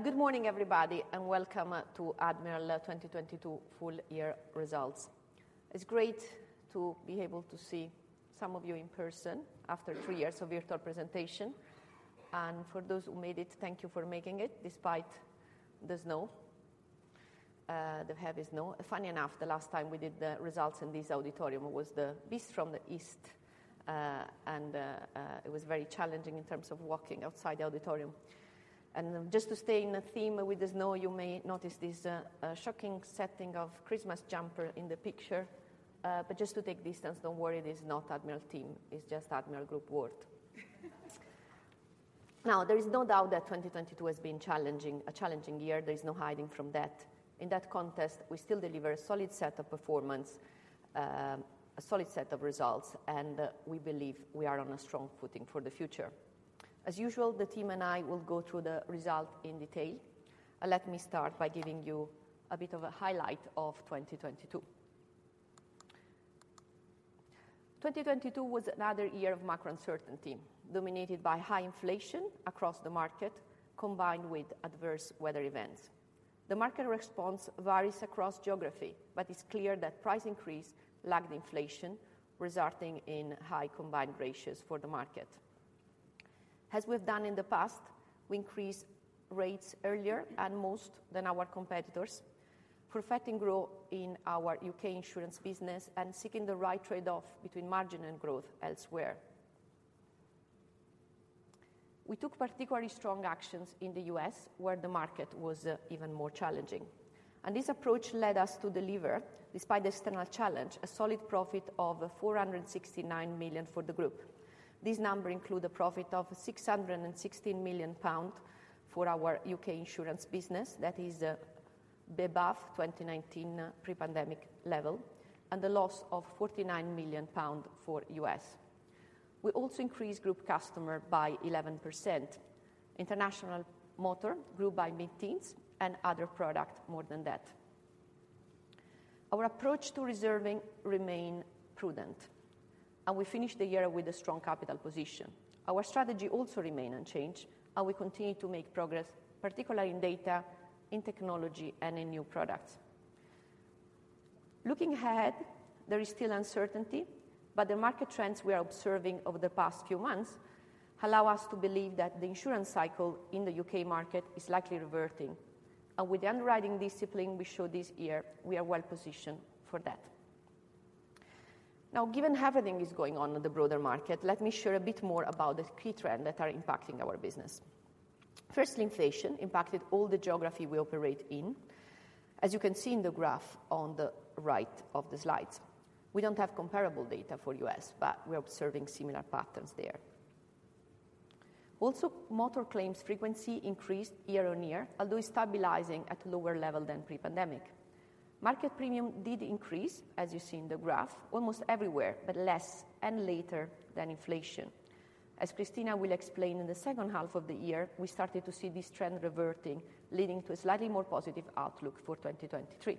Good morning everybody, welcome to Admiral 2022 full year results. It's great to be able to see some of you in person after three years of virtual presentation. For those who made it, thank you for making it despite the snow, the heavy snow. Funny enough, the last time we did the results in this auditorium was the Beast from the East, it was very challenging in terms of walking outside the auditorium. Just to stay in the theme with the snow, you may notice this shocking setting of Christmas jumper in the picture. Just to take distance, don't worry, it is not Admiral team. It's just Admiral Group board. There is no doubt that 2022 has been challenging, a challenging year. There is no hiding from that. In that context, we still deliver a solid set of results, and we believe we are on a strong footing for the future. As usual, the team and I will go through the result in detail. Let me start by giving you a bit of a highlight of 2022. 2022 was another year of macro uncertainty, dominated by high inflation across the market, combined with adverse weather events. The market response varies across geography, but it's clear that price increase lagged inflation, resulting in high combined ratios for the market. As we've done in the past, we increased rates earlier and most than our competitors, perfecting growth in our U.K. insurance business and seeking the right trade-off between margin and growth elsewhere. We took particularly strong actions in the U.S., where the market was even more challenging. This approach led us to deliver, despite the external challenge, a solid profit of 469 million for the group. This number include a profit of 660 million pounds for our U.K. Insurance business, that is above 2019 pre-pandemic level, and a loss of 49 million pounds for U.S. We also increased group customer by 11%. International motor grew by mid-teens and other product more than that. Our approach to reserving remain prudent, and we finish the year with a strong capital position. Our strategy also remain unchanged, and we continue to make progress, particularly in data, in technology, and in new products. Looking ahead, there is still uncertainty, but the market trends we are observing over the past few months allow us to believe that the insurance cycle in the U.K. market is likely reverting. With the underwriting discipline we show this year, we are well-positioned for that. Given everything is going on in the broader market, let me share a bit more about the key trend that are impacting our business. Inflation impacted all the geography we operate in, as you can see in the graph on the right of the slides. We don't have comparable data for U.S., but we are observing similar patterns there. Motor claims frequency increased year-on-year, although stabilizing at lower level than pre-pandemic. Market premium did increase, as you see in the graph, almost everywhere, but less and later than inflation. As Cristina will explain, in the second half of the year, we started to see this trend reverting, leading to a slightly more positive outlook for 2023.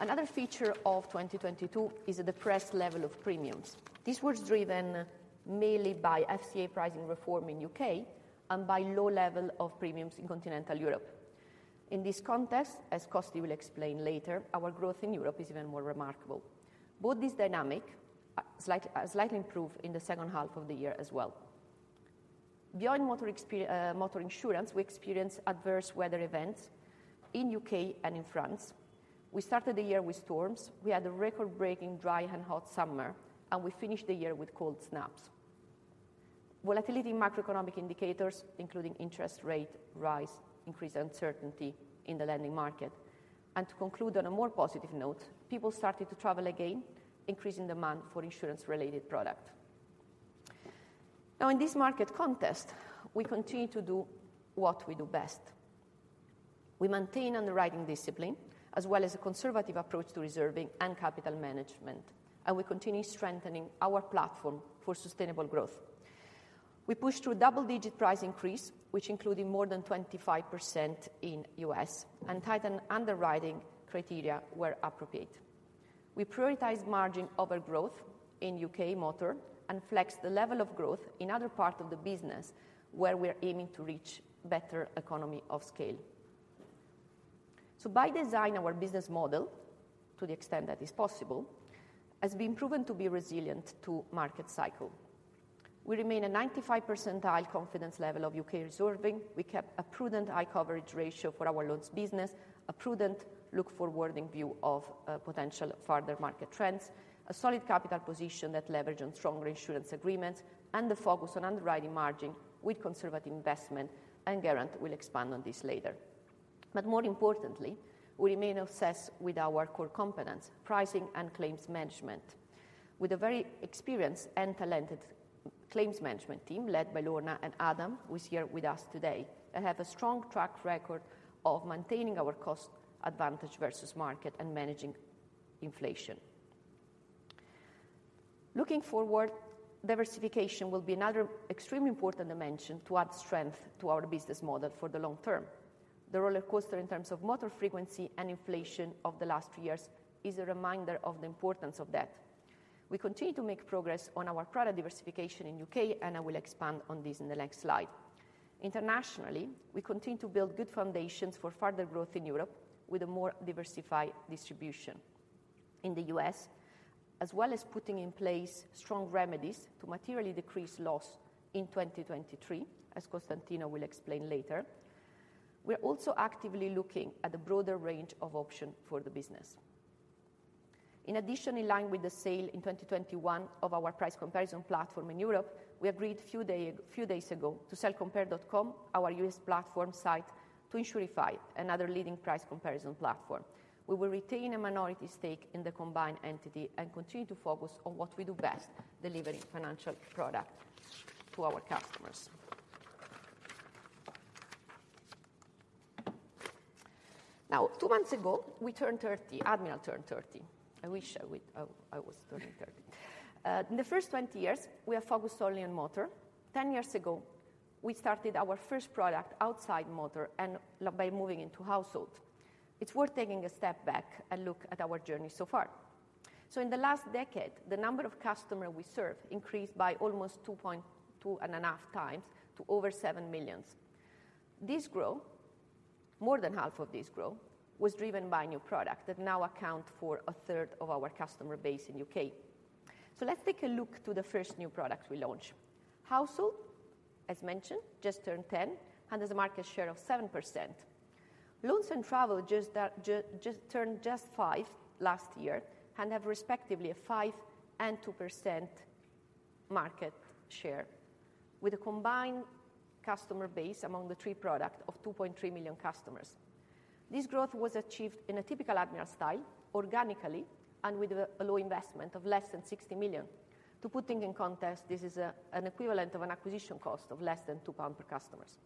Another feature of 2022 is a depressed level of premiums. This was driven mainly by FCA pricing reform in U.K. And by low level of premiums in continental Europe. In this context, as Costi will explain later, our growth in Europe is even more remarkable. Both this dynamic, slightly improved in the second half of the year as well. Beyond motor insurance, we experienced adverse weather events in U.K. and in France. We started the year with storms. We had a record-breaking dry and hot summer, and we finished the year with cold snaps. Volatility in macroeconomic indicators, including interest rate rise, increased uncertainty in the lending market. To conclude on a more positive note, people started to travel again, increasing demand for insurance related product. In this market context, we continue to do what we do best. We maintain underwriting discipline, as well as a conservative approach to reserving and capital management, and we continue strengthening our platform for sustainable growth. We push through double-digit price increase, which including more than 25% in U.S., and tighten underwriting criteria where appropriate. We prioritize margin over growth in U.K. motor and flex the level of growth in other parts of the business where we're aiming to reach better economy of scale. By design, our business model, to the extent that is possible, has been proven to be resilient to market cycle. We remain a 95th percentile confidence level of U.K. reserving. We kept a prudent high coverage ratio for our loans business, a prudent look-forwarding view of potential further market trends, a solid capital position that leverage on stronger insurance agreements, and the focus on underwriting margin with conservative investment, and Geraint will expand on this later. More importantly, we remain obsessed with our core competence, pricing and claims management. With a very experienced and talented claims management team led by Lorna and Adam, who is here with us today, and have a strong track record of maintaining our cost advantage versus market and managing inflation. Looking forward, diversification will be another extremely important dimension to add strength to our business model for the long term. The rollercoaster in terms of motor frequency and inflation of the last two years is a reminder of the importance of that. We continue to make progress on our product diversification in U.K. I will expand on this in the next slide. Internationally, we continue to build good foundations for further growth in Europe with a more diversified distribution. In the U.S., as well as putting in place strong remedies to materially decrease loss in 2023, as Costantino will explain later, we are also actively looking at a broader range of option for the business. In addition, in line with the sale in 2021 of our price comparison platform in Europe, we agreed few days ago to sell Compare.com, our U.S. platform site, to Insurify, another leading price comparison platform. We will retain a minority stake in the combined entity and continue to focus on what we do best, delivering financial product to our customers. Two months ago, we turned 30. Admiral turned 30. I wish I was turning 30. In the 1st 20 years, we have focused only on motor. 10 years ago, we started our 1st product outside motor and by moving into household. It's worth taking a step back and look at our journey so far. In the last decade, the number of customer we serve increased by almost 2.5x to over 7 million. This growth, more than half of this growth, was driven by new product that now account for a third of our customer base in U.K. Let's take a look to the 1st new product we launch. Household, as mentioned, just turned 10 and has a market share of 7%. Loans and travel just turned five last year and have respectively a 5% and 2% market share with a combined customer base among the three product of 2.3 million customers. This growth was achieved in a typical Admiral style, organically and with a low investment of less than 60 million. To put things in context, this is an equivalent of an acquisition cost of less than 2 pounds per customers.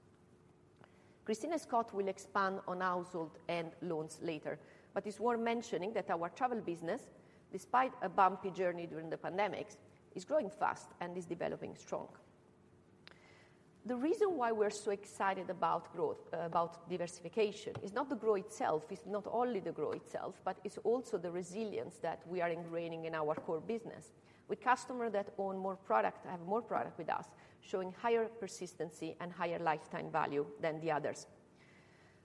Cristina Nestares will expand on household and loans later. It's worth mentioning that our travel business, despite a bumpy journey during the pandemic, is growing fast and is developing strong. The reason why we're so excited about diversification is not the growth itself, it's not only the growth itself, but it's also the resilience that we are ingraining in our core business, with customer that own more product, have more product with us, showing higher persistency and higher lifetime value than the others.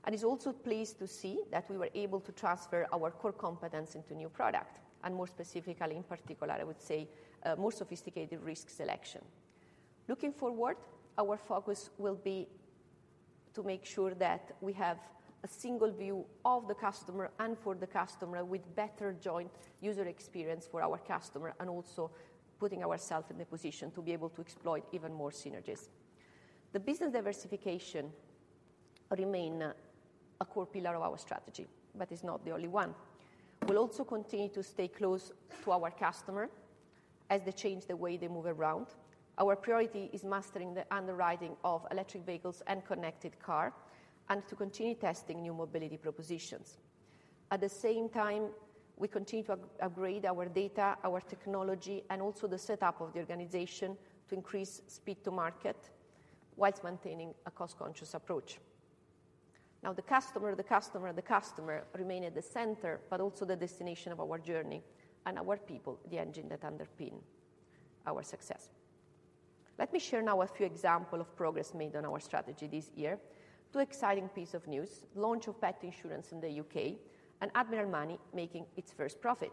It's also pleased to see that we were able to transfer our core competence into new product and more specifically, in particular, I would say, more sophisticated risk selection. Looking forward, our focus will be to make sure that we have a single view of the customer and for the customer with better joint user experience for our customer and also putting ourself in the position to be able to exploit even more synergies. The business diversification remain a core pillar of our strategy, but it's not the only one. We'll also continue to stay close to our customer as they change the way they move around. Our priority is mastering the underwriting of electric vehicles and connected car and to continue testing new mobility propositions. At the same time, we continue to upgrade our data, our technology, and also the setup of the organization to increase speed to market whilst maintaining a cost-conscious approach. Now the customer remain at the center but also the destination of our journey and our people, the engine that underpin our success. Let me share now a few example of progress made on our strategy this year. Two exciting piece of news, launch of pet insurance in the U.K. and Admiral Money making its first profit.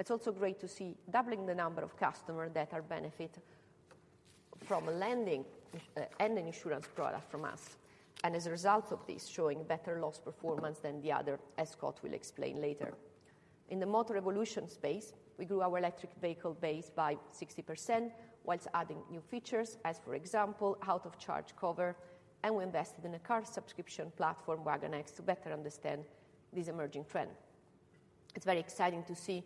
It's also great to see doubling the number of customer that are benefit from a lending and an insurance product from us, and as a result of this, showing better loss performance than the other, as Scott will explain later. In the motor revolution space, we grew our electric vehicle base by 60% whilst adding new features as, for example, out of charge cover, and we invested in a car subscription platform, Wagonex, to better understand this emerging trend. It's very exciting to see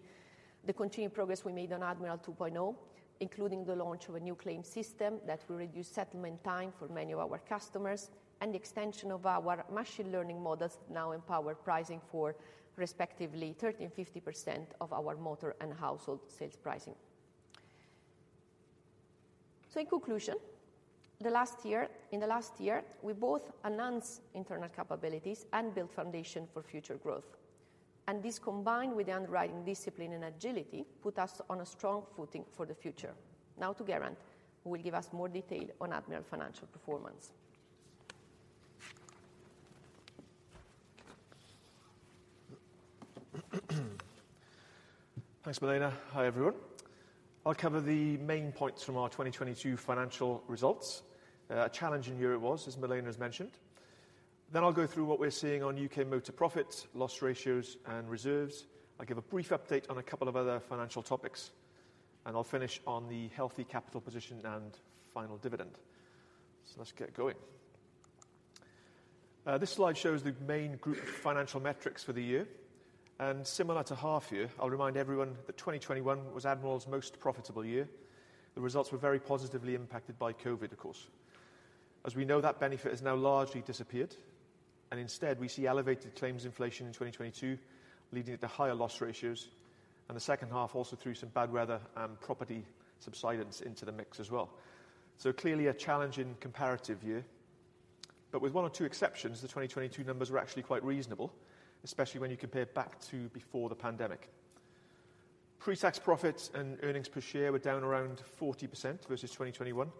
the continued progress we made on Admiral 2.0, including the launch of a new claim system that will reduce settlement time for many of our customers and the extension of our machine learning models now empower pricing for respectively 13% and 50% of our motor and household sales pricing. In conclusion, in the last year, we both enhanced internal capabilities and built foundation for future growth. This, combined with the underwriting discipline and agility, put us on a strong footing for the future. Now to Geraint, who will give us more detail on Admiral financial performance. Thanks, Milena. Hi, everyone. I'll cover the main points from our 2022 financial results. A challenging year it was, as Milena has mentioned. I'll go through what we're seeing on U.K. motor profits, loss ratios, and reserves. I'll give a brief update on a couple of other financial topics, and I'll finish on the healthy capital position and final dividend. Let's get going. This slide shows the main group financial metrics for the year. Similar to half year, I'll remind everyone that 2021 was Admiral's most profitable year. The results were very positively impacted by COVID, of course. As we know, that benefit has now largely disappeared, and instead, we see elevated claims inflation in 2022, leading to higher loss ratios, and the second half also threw some bad weather and property subsidence into the mix as well. Clearly a challenging comparative year. With one or two exceptions, the 2022 numbers were actually quite reasonable, especially when you compare back to before the pandemic. Pre-tax profits and earnings per share were down around 40% versus 2021,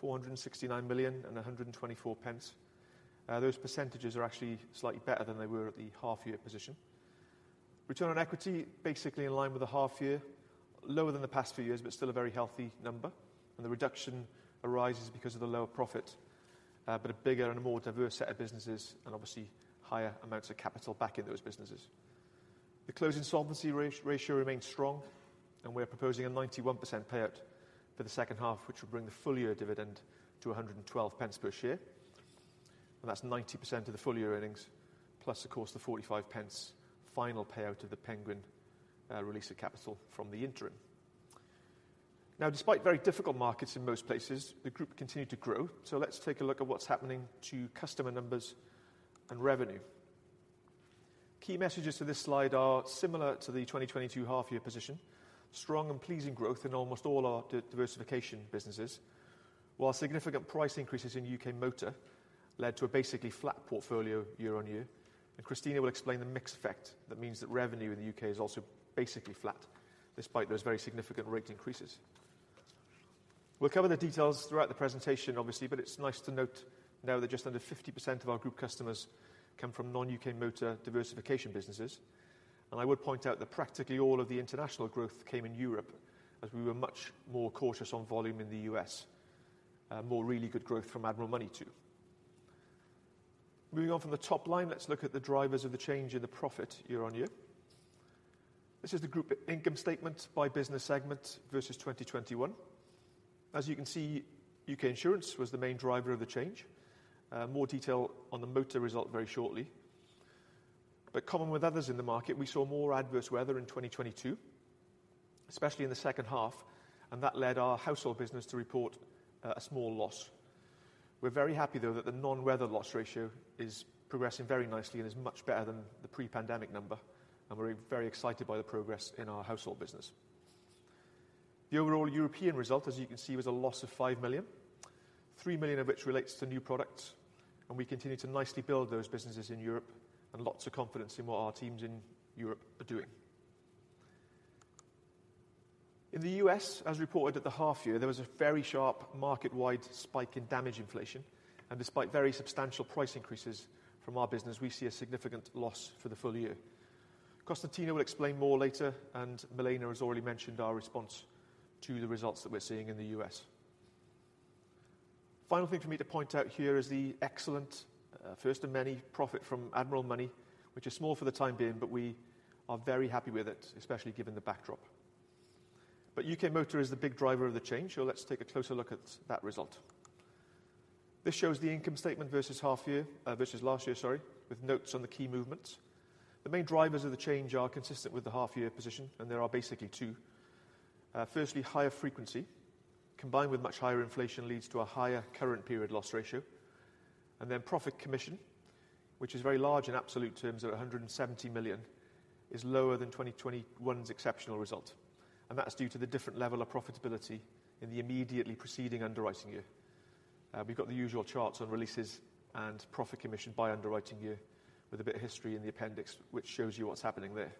469 million and 124 pence. Those percentages are actually slightly better than they were at the half year position. Return on equity basically in line with the half year, lower than the past few years, but still a very healthy number. The reduction arises because of the lower profit, but a bigger and a more diverse set of businesses and obviously higher amounts of capital back in those businesses. The closing solvency ratio remains strong. We're proposing a 91% payout for the second half, which will bring the full year dividend to 112 pence per share. That's 90% of the full year earnings plus, of course, the 45 pence final payout of the Penguin release of capital from the interim. Despite very difficult markets in most places, the group continued to grow. Let's take a look at what's happening to customer numbers and revenue. Key messages for this slide are similar to the 2022 half year position. Strong and pleasing growth in almost all our diversification businesses. While significant price increases in U.K. Motor led to a basically flat portfolio year-on-year. Cristina will explain the mix effect. That means that revenue in the U.K. is also basically flat despite those very significant rate increases. We'll cover the details throughout the presentation, obviously, but it's nice to note now that just under 50% of our group customers come from non-U.K. Motor diversification businesses. I would point out that practically all of the international growth came in Europe, as we were much more cautious on volume in the U.S. More really good growth from Admiral Money too. Moving on from the top line, let's look at the drivers of the change in the profit year-over-year. This is the group income statement by business segment versus 2021. As you can see, U.K. Insurance was the main driver of the change. More detail on the Motor result very shortly. Common with others in the market, we saw more adverse weather in 2022, especially in the second half, and that led our household business to report a small loss. We're very happy, though, that the non-weather loss ratio is progressing very nicely and is much better than the pre-pandemic number, and we're very excited by the progress in our household business. The overall European result, as you can see, was a loss of 5 million, 3 million of which relates to new products, and we continue to nicely build those businesses in Europe and lots of confidence in what our teams in Europe are doing. In the U.S., as reported at the half year, there was a very sharp market-wide spike in damage inflation, and despite very substantial price increases from our business, we see a significant loss for the full year. Costantino will explain more later, and Milena has already mentioned our response to the results that we're seeing in the U.S. Final thing for me to point out here is the excellent, first of many profit from Admiral Money, which is small for the time being, but we are very happy with it, especially given the backdrop. U.K. Motor is the big driver of the change. Let's take a closer look at that result. This shows the income statement versus half year, versus last year, sorry, with notes on the key movements. The main drivers of the change are consistent with the half year position, and there are basically two. Firstly, higher frequency, combined with much higher inflation leads to a higher current period loss ratio. Profit commission, which is very large in absolute terms at 170 million, is lower than 2021's exceptional result. That is due to the different level of profitability in the immediately preceding underwriting year. We've got the usual charts on releases and Profit Commission by underwriting year with a bit of history in the appendix, which shows you what's happening there.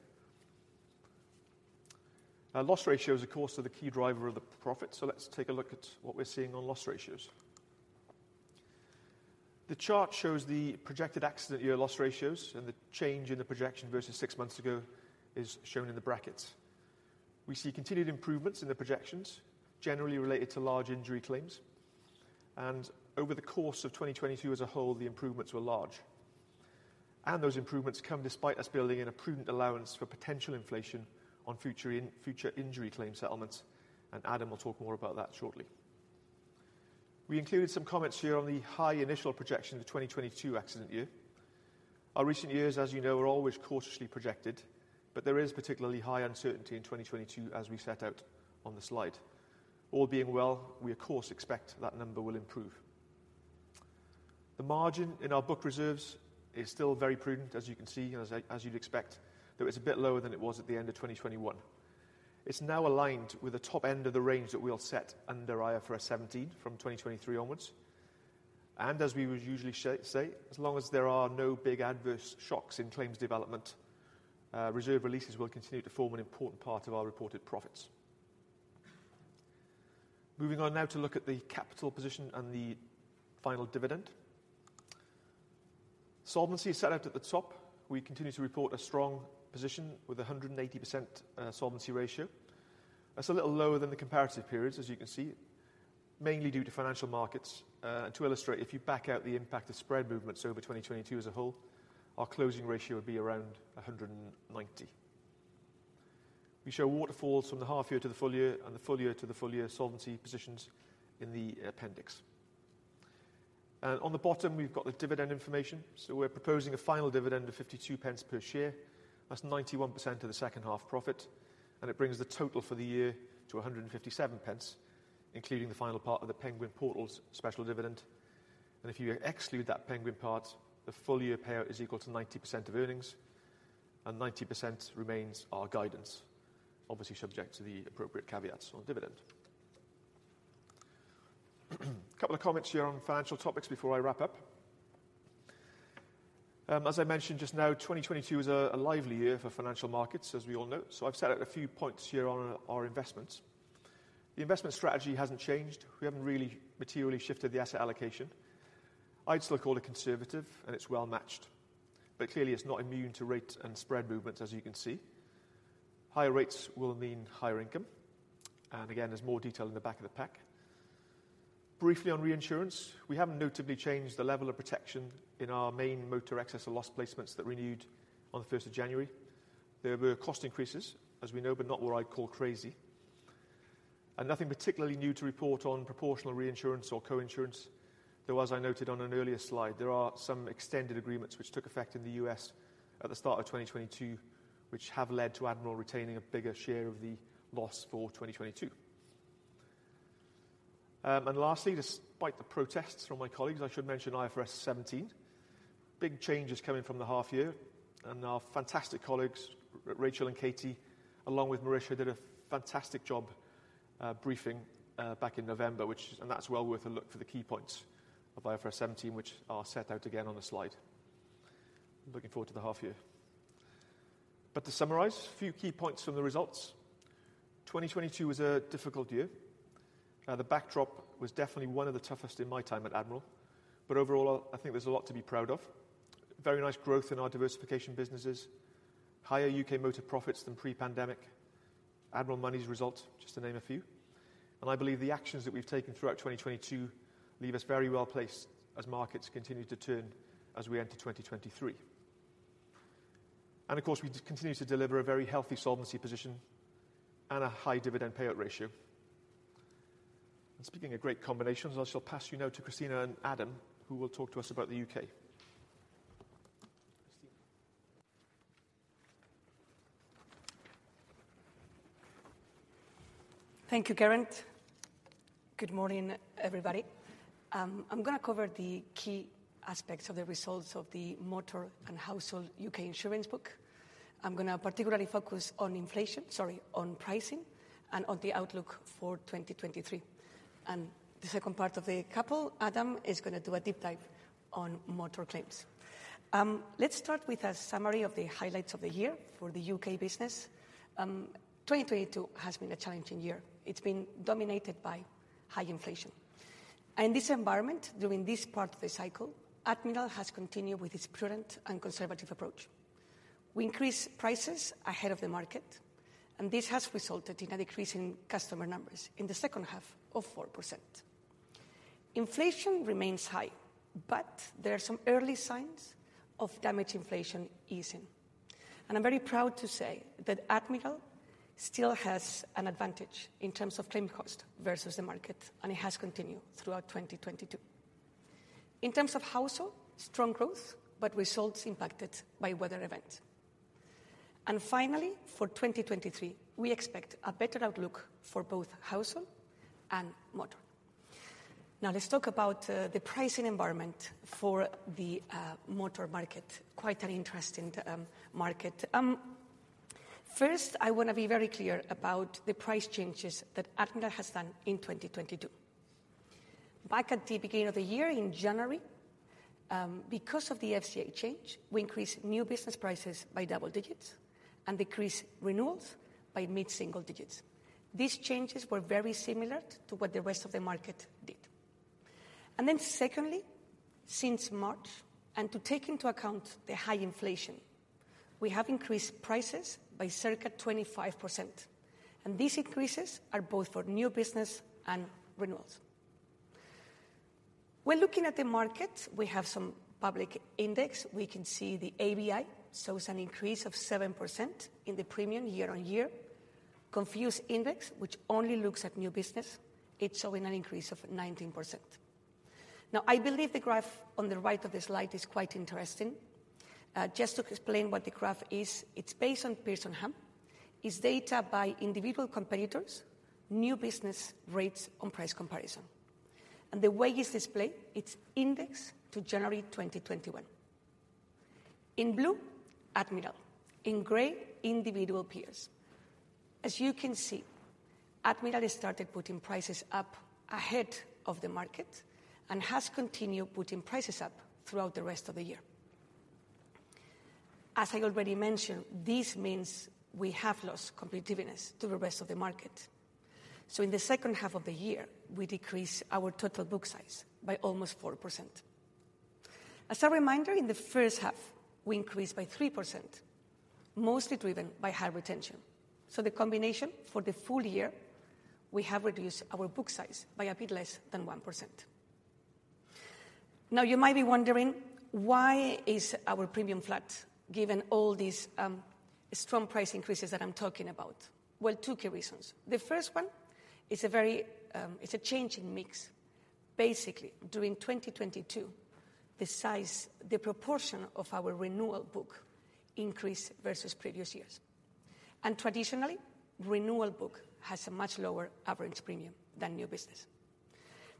Our Loss Ratios, of course, are the key driver of the profit. Let's take a look at what we're seeing on Loss Ratios. The chart shows the projected Accident Year Loss Ratios and the change in the projection versus six months ago is shown in the brackets. We see continued improvements in the projections, generally related to Large Injury claims. Over the course of 2022 as a whole, the improvements were large. Those improvements come despite us building in a prudent allowance for potential inflation on future injury claim settlements, and Adam will talk more about that shortly. We included some comments here on the high initial projection of the 2022 Accident Year. Our recent years, as you know, are always cautiously projected, but there is particularly high uncertainty in 2022 as we set out on the slide. All being well, we of course expect that number will improve. The margin in our book reserves is still very prudent, as you can see, as you'd expect, though it's a bit lower than it was at the end of 2021. It's now aligned with the top end of the range that we'll set under IFRS 17 from 2023 onwards. As we would usually say, as long as there are no big adverse shocks in claims development, reserve releases will continue to form an important part of our reported profits. Moving on now to look at the capital position and the final dividend. Solvency is set out at the top. We continue to report a strong position with a 180% solvency ratio. That's a little lower than the comparative periods, as you can see, mainly due to financial markets. To illustrate, if you back out the impact of spread movements over 2022 as a whole, our closing ratio would be around 190. We show waterfalls from the half year to the full year and the full year to the full year solvency positions in the appendix. On the bottom, we've got the dividend information. We're proposing a final dividend of 0.52 per share. That's 91% of the second half profit, and it brings the total for the year to 1.57, including the final part of the Penguin Portals special dividend. If you exclude that Penguin part, the full year payout is equal to 90% of earnings, and 90% remains our guidance, obviously subject to the appropriate caveats on dividend. Couple of comments here on financial topics before I wrap up. As I mentioned just now, 2022 was a lively year for financial markets, as we all know. I've set out a few points here on our investments. The investment strategy hasn't changed. We haven't really materially shifted the asset allocation. I'd still call it conservative, and it's well-matched. Clearly it's not immune to rate and spread movements, as you can see. Higher rates will mean higher income. Again, there's more detail in the back of the pack. Briefly on reinsurance, we haven't notably changed the level of protection in our main motor excess or loss placements that renewed on the first of January. There were cost increases, as we know, but not what I'd call crazy. Nothing particularly new to report on proportional reinsurance or coinsurance. Though, as I noted on an earlier slide, there are some extended agreements which took effect in the U.S. at the start of 2022, which have led to Admiral retaining a bigger share of the loss for 2022. Lastly, despite the protests from my colleagues, I should mention IFRS 17. Big changes coming from the half year and our fantastic colleagues, Rachel and Katie, along with Marisha, did a fantastic job briefing back in November, that's well worth a look for the key points of IFRS 17, which are set out again on the slide. I'm looking forward to the half year. To summarize, a few key points from the results. 2022 was a difficult year. The backdrop was definitely one of the toughest in my time at Admiral. Overall, I think there's a lot to be proud of. Very nice growth in our diversification businesses. Higher U.K. motor profits than pre-pandemic. Admiral Money's result, just to name a few. I believe the actions that we've taken throughout 2022 leave us very well placed as markets continue to turn as we enter 2023. Of course, we continue to deliver a very healthy solvency position and a high dividend payout ratio. Speaking of great combinations, I shall pass you now to Cristina and Adam, who will talk to us about the U.K. Cristina. Thank you, Geraint. Good morning, everybody. I'm gonna cover the key aspects of the results of the motor and household U.K. insurance book. I'm gonna particularly focus on pricing and on the outlook for 2023. The second part of the couple, Adam, is gonna do a deep dive on motor claims. Let's start with a summary of the highlights of the year for the U.K. business. 2022 has been a challenging year. It's been dominated by high inflation. In this environment, during this part of the cycle, Admiral has continued with its prudent and conservative approach. We increased prices ahead of the market, and this has resulted in a decrease in customer numbers in the second half of 4%. Inflation remains high, but there are some early signs of damage inflation easing. I'm very proud to say that Admiral still has an advantage in terms of claim cost versus the market, and it has continued throughout 2022. In terms of household, strong growth, but results impacted by weather events. Finally, for 2023, we expect a better outlook for both household and motor. Now let's talk about the pricing environment for the motor market. Quite an interesting market. First, I wanna be very clear about the price changes that Admiral has done in 2022. Back at the beginning of the year in January, because of the FCA change, we increased new business prices by double digits and decreased renewals by mid-single digits. These changes were very similar to what the rest of the market did. Secondly, since March, to take into account the high inflation, we have increased prices by circa 25%. These increases are both for new business and renewals. When looking at the market, we have some public index. We can see the ABI shows an increase of 7% in the premium year on year. Confused Index, which only looks at new business, it's showing an increase of 19%. I believe the graph on the right of the slide is quite interesting. To explain what the graph is, it's based on Pearson Ham. It's data by individual competitors, new business rates on price comparison. The way it's displayed, it's indexed to January 2021. In blue, Admiral. In gray, individual peers. You can see, Admiral has started putting prices up ahead of the market and has continued putting prices up throughout the rest of the year. I already mentioned, this means we have lost competitiveness to the rest of the market. In the second half of the year, we decreased our total book size by almost 4%. A reminder, in the first half, we increased by 3%, mostly driven by high retention. The combination for the full year, we have reduced our book size by a bit less than 1%. You might be wondering, why is our premium flat given all these strong price increases that I'm talking about? Well, two key reasons. The first one is a very change in mix. Basically, during 2022, the proportion of our renewal book increased versus previous years. Traditionally, renewal book has a much lower average premium than new business.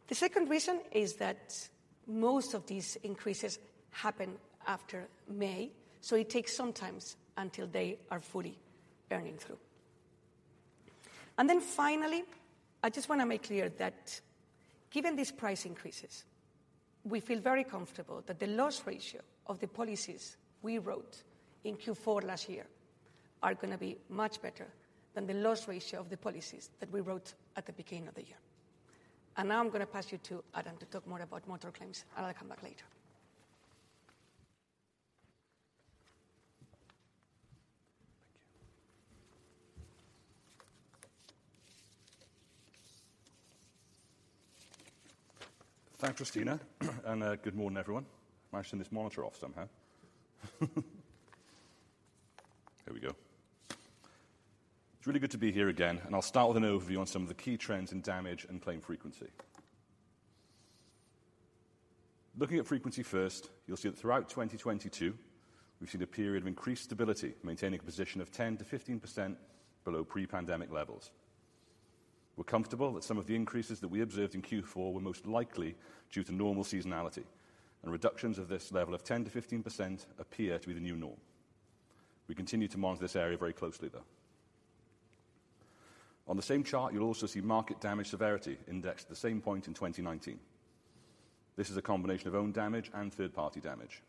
The second reason is that most of these increases happen after May, so it takes some time until they are fully earning through. Finally, I just want to make clear that given these price increases, we feel very comfortable that the loss ratio of the policies we wrote in Q4 last year are going to be much better than the loss ratio of the policies that we wrote at the beginning of the year. Now I'm going to pass you to Adam to talk more about motor claims, and I'll come back later. Thank you. Thanks, Cristina. Good morning, everyone. I turned this monitor off somehow. Here we go. It's really good to be here again, and I'll start with an overview on some of the key trends in damage and claim frequency. Looking at frequency first, you'll see that throughout 2022 we've seen a period of increased stability, maintaining a position of 10%-15% below pre-pandemic levels. We're comfortable that some of the increases that we observed in Q4 were most likely due to normal seasonality and reductions of this level of 10%-15% appear to be the new norm. We continue to monitor this area very closely, though. On the same chart, you'll also see market damage severity indexed at the same point in 2019. This is a combination of own damage and third-party damage.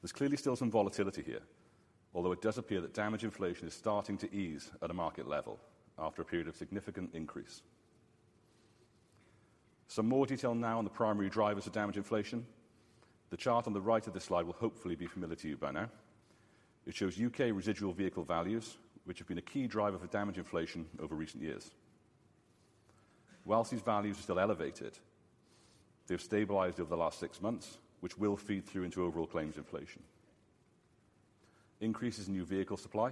There's clearly still some volatility here, although it does appear that damage inflation is starting to ease at a market level after a period of significant increase. Some more detail now on the primary drivers of damage inflation. The chart on the right of this slide will hopefully be familiar to you by now. It shows U.K. residual vehicle values, which have been a key driver for damage inflation over recent years. Whilst these values are still elevated, they've stabilized over the last six months, which will feed through into overall claims inflation. Increases in new vehicle supply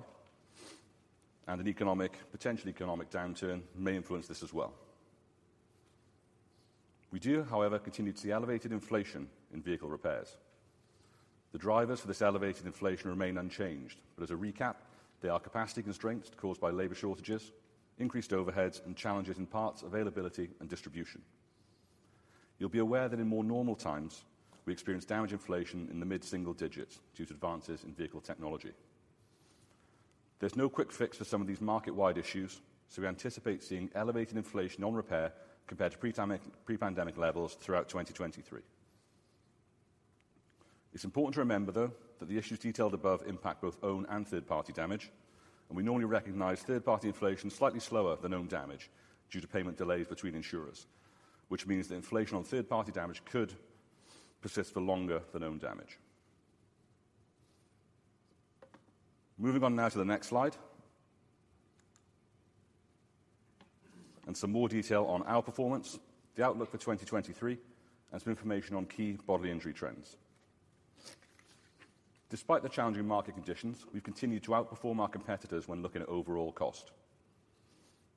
and a potential economic downturn may influence this as well. We do, however, continue to see elevated inflation in vehicle repairs. The drivers for this elevated inflation remain unchanged, but as a recap, they are capacity constraints caused by labor shortages, increased overheads, and challenges in parts availability and distribution. You'll be aware that in more normal times, we experience damage inflation in the mid-single digits due to advances in vehicle technology. There's no quick fix for some of these market-wide issues, so we anticipate seeing elevated inflation on repair compared to pre-pandemic levels throughout 2023. It's important to remember, though, that the issues detailed above impact both own and third-party damage, and we normally recognize third-party inflation slightly slower than own damage due to payment delays between insurers, which means that inflation on third-party damage could persist for longer than own damage. Moving on now to the next slide. Some more detail on our performance, the outlook for 2023, and some information on key bodily injury trends. Despite the challenging market conditions, we've continued to outperform our competitors when looking at overall cost.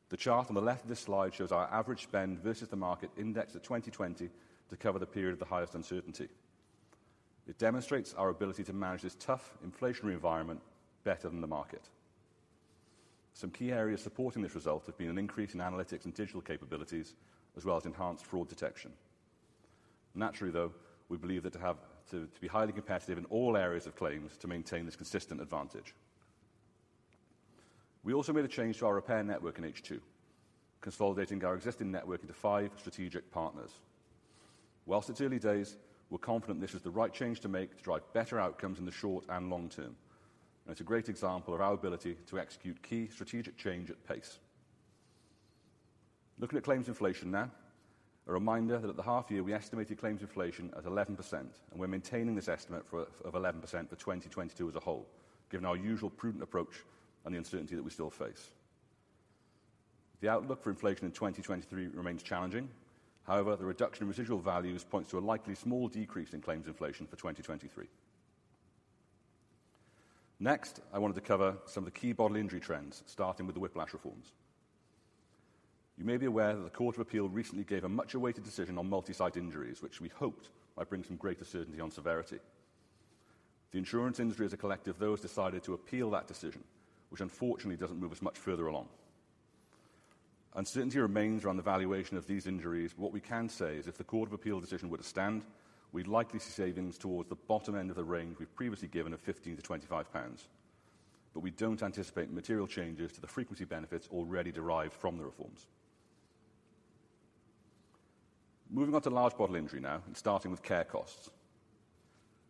The chart on the left of this slide shows our average spend versus the market indexed at 2020 to cover the period of the highest uncertainty. It demonstrates our ability to manage this tough inflationary environment better than the market. Some key areas supporting this result have been an increase in analytics and digital capabilities as well as enhanced fraud detection. Naturally, though, we believe that to be highly competitive in all areas of claims to maintain this consistent advantage. We also made a change to our repair network in H2, consolidating our existing network into five strategic partners. While it's early days, we're confident this is the right change to make to drive better outcomes in the short and long term. It's a great example of our ability to execute key strategic change at pace. Looking at claims inflation now. A reminder that at the half year we estimated claims inflation at 11%, we're maintaining this estimate of 11% for 2022 as a whole, given our usual prudent approach and the uncertainty that we still face. The outlook for inflation in 2023 remains challenging. The reduction in residual values points to a likely small decrease in claims inflation for 2023. I wanted to cover some of the key bodily injury trends, starting with the whiplash reforms. You may be aware that the Court of Appeal recently gave a much-awaited decision on multi-site injuries, which we hoped might bring some greater certainty on severity. The insurance industry as a collective, though, has decided to appeal that decision, which unfortunately doesn't move us much further along. Uncertainty remains around the valuation of these injuries, what we can say is if the Court of Appeal decision were to stand, we'd likely see savings towards the bottom end of the range we've previously given of 15-25 pounds. We don't anticipate material changes to the frequency benefits already derived from the reforms. Moving on to large bodily injury now and starting with care costs.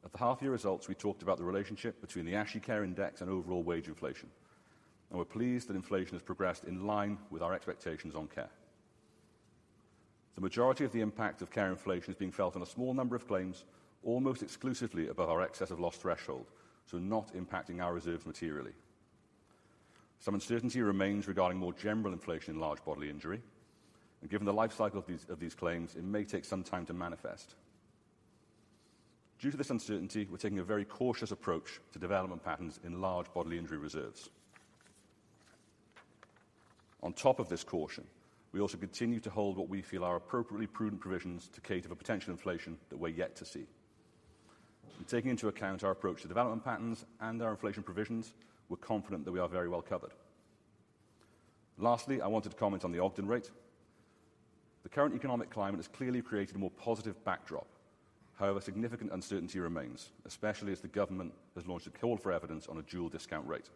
At the half-year results, we talked about the relationship between the ASHE care index and overall wage inflation, and we're pleased that inflation has progressed in line with our expectations on care. The majority of the impact of care inflation is being felt on a small number of claims, almost exclusively above our excess of loss threshold, so not impacting our reserves materially. Some uncertainty remains regarding more general inflation in large bodily injury. Given the life cycle of these claims, it may take some time to manifest. Due to this uncertainty, we're taking a very cautious approach to development patterns in large bodily injury reserves. On top of this caution, we also continue to hold what we feel are appropriately prudent provisions to cater for potential inflation that we're yet to see. Taking into account our approach to development patterns and our inflation provisions, we're confident that we are very well covered. Lastly, I wanted to comment on the Ogden rate. The current economic climate has clearly created a more positive backdrop. However, significant uncertainty remains, especially as the government has launched a call for evidence on a dual discount rate.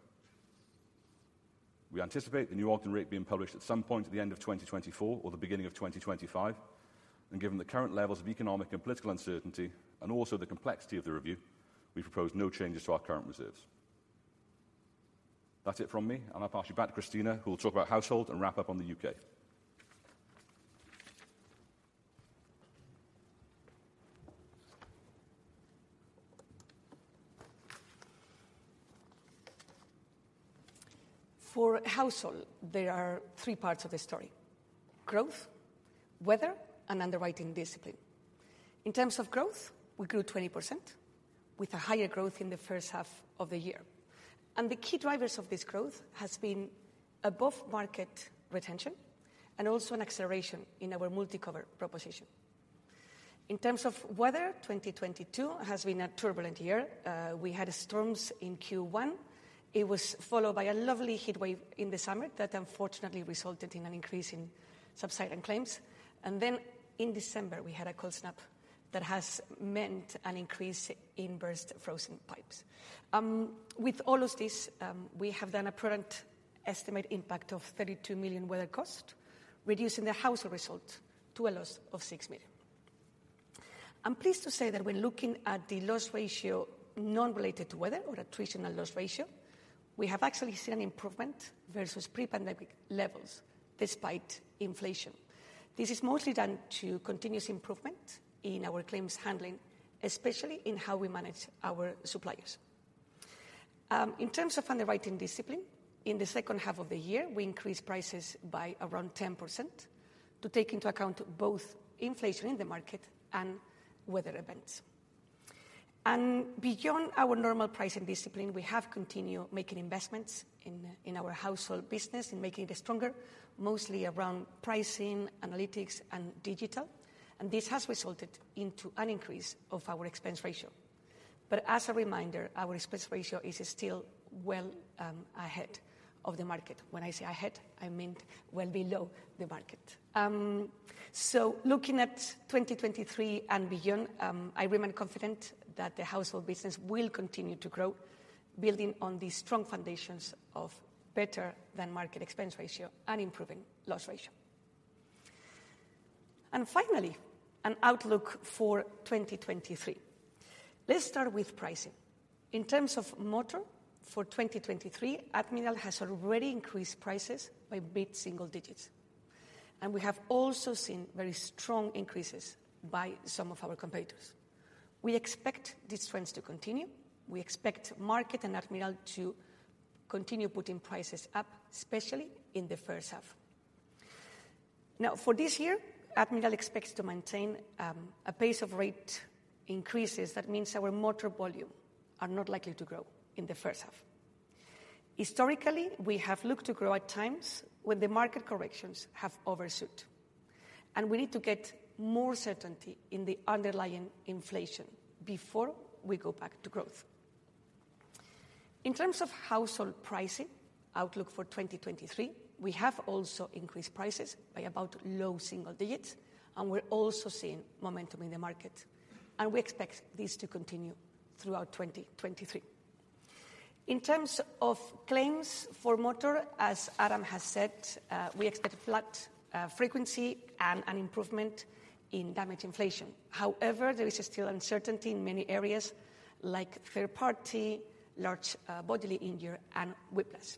We anticipate the new Ogden rate being published at some point at the end of 2024 or the beginning of 2025. Given the current levels of economic and political uncertainty, and also the complexity of the review, we propose no changes to our current reserves. That's it from me. I'll pass you back to Cristina who will talk about household and wrap up on the U.K. For household, there are three parts of the story: growth, weather, and underwriting discipline. In terms of growth, we grew 20% with a higher growth in the 1st half of the year. The key drivers of this growth has been above-market retention and also an acceleration in our MultiCover proposition. In terms of weather, 2022 has been a turbulent year. We had storms in Q1. It was followed by a lovely heatwave in the summer that unfortunately resulted in an increase in subsidence claims. In December, we had a cold snap that has meant an increase in burst frozen pipes. With all of this, we have done a prudent estimate impact of 32 million weather cost, reducing the household result to a loss of 6 million. I'm pleased to say that when looking at the loss ratio non-related to weather or attritional loss ratio, we have actually seen an improvement versus pre-pandemic levels despite inflation. This is mostly down to continuous improvement in our claims handling, especially in how we manage our suppliers. In terms of underwriting discipline, in the second half of the year, we increased prices by around 10% to take into account both inflation in the market and weather events. Beyond our normal pricing discipline, we have continued making investments in our household business in making it stronger, mostly around pricing, analytics, and digital. This has resulted into an increase of our expense ratio. As a reminder, our expense ratio is still well ahead of the market. When I say ahead, I meant well below the market. Looking at 2023 and beyond, I remain confident that the household business will continue to grow, building on the strong foundations of better than market expense ratio and improving loss ratio. Finally, an outlook for 2023. Let's start with pricing. In terms of motor for 2023, Admiral has already increased prices by mid-single digits. We have also seen very strong increases by some of our competitors. We expect these trends to continue. We expect market and Admiral to continue putting prices up, especially in the first half. Now, for this year, Admiral expects to maintain a pace of rate increases. That means our motor volume are not likely to grow in the first half. Historically, we have looked to grow at times when the market corrections have overshoot. We need to get more certainty in the underlying inflation before we go back to growth. In terms of household pricing outlook for 2023, we have also increased prices by about low single digits. We're also seeing momentum in the market, and we expect this to continue throughout 2023. In terms of claims for motor, as Adam has said, we expect flat frequency and an improvement in damage inflation. However, there is still uncertainty in many areas like third party, large bodily injury, and whiplash.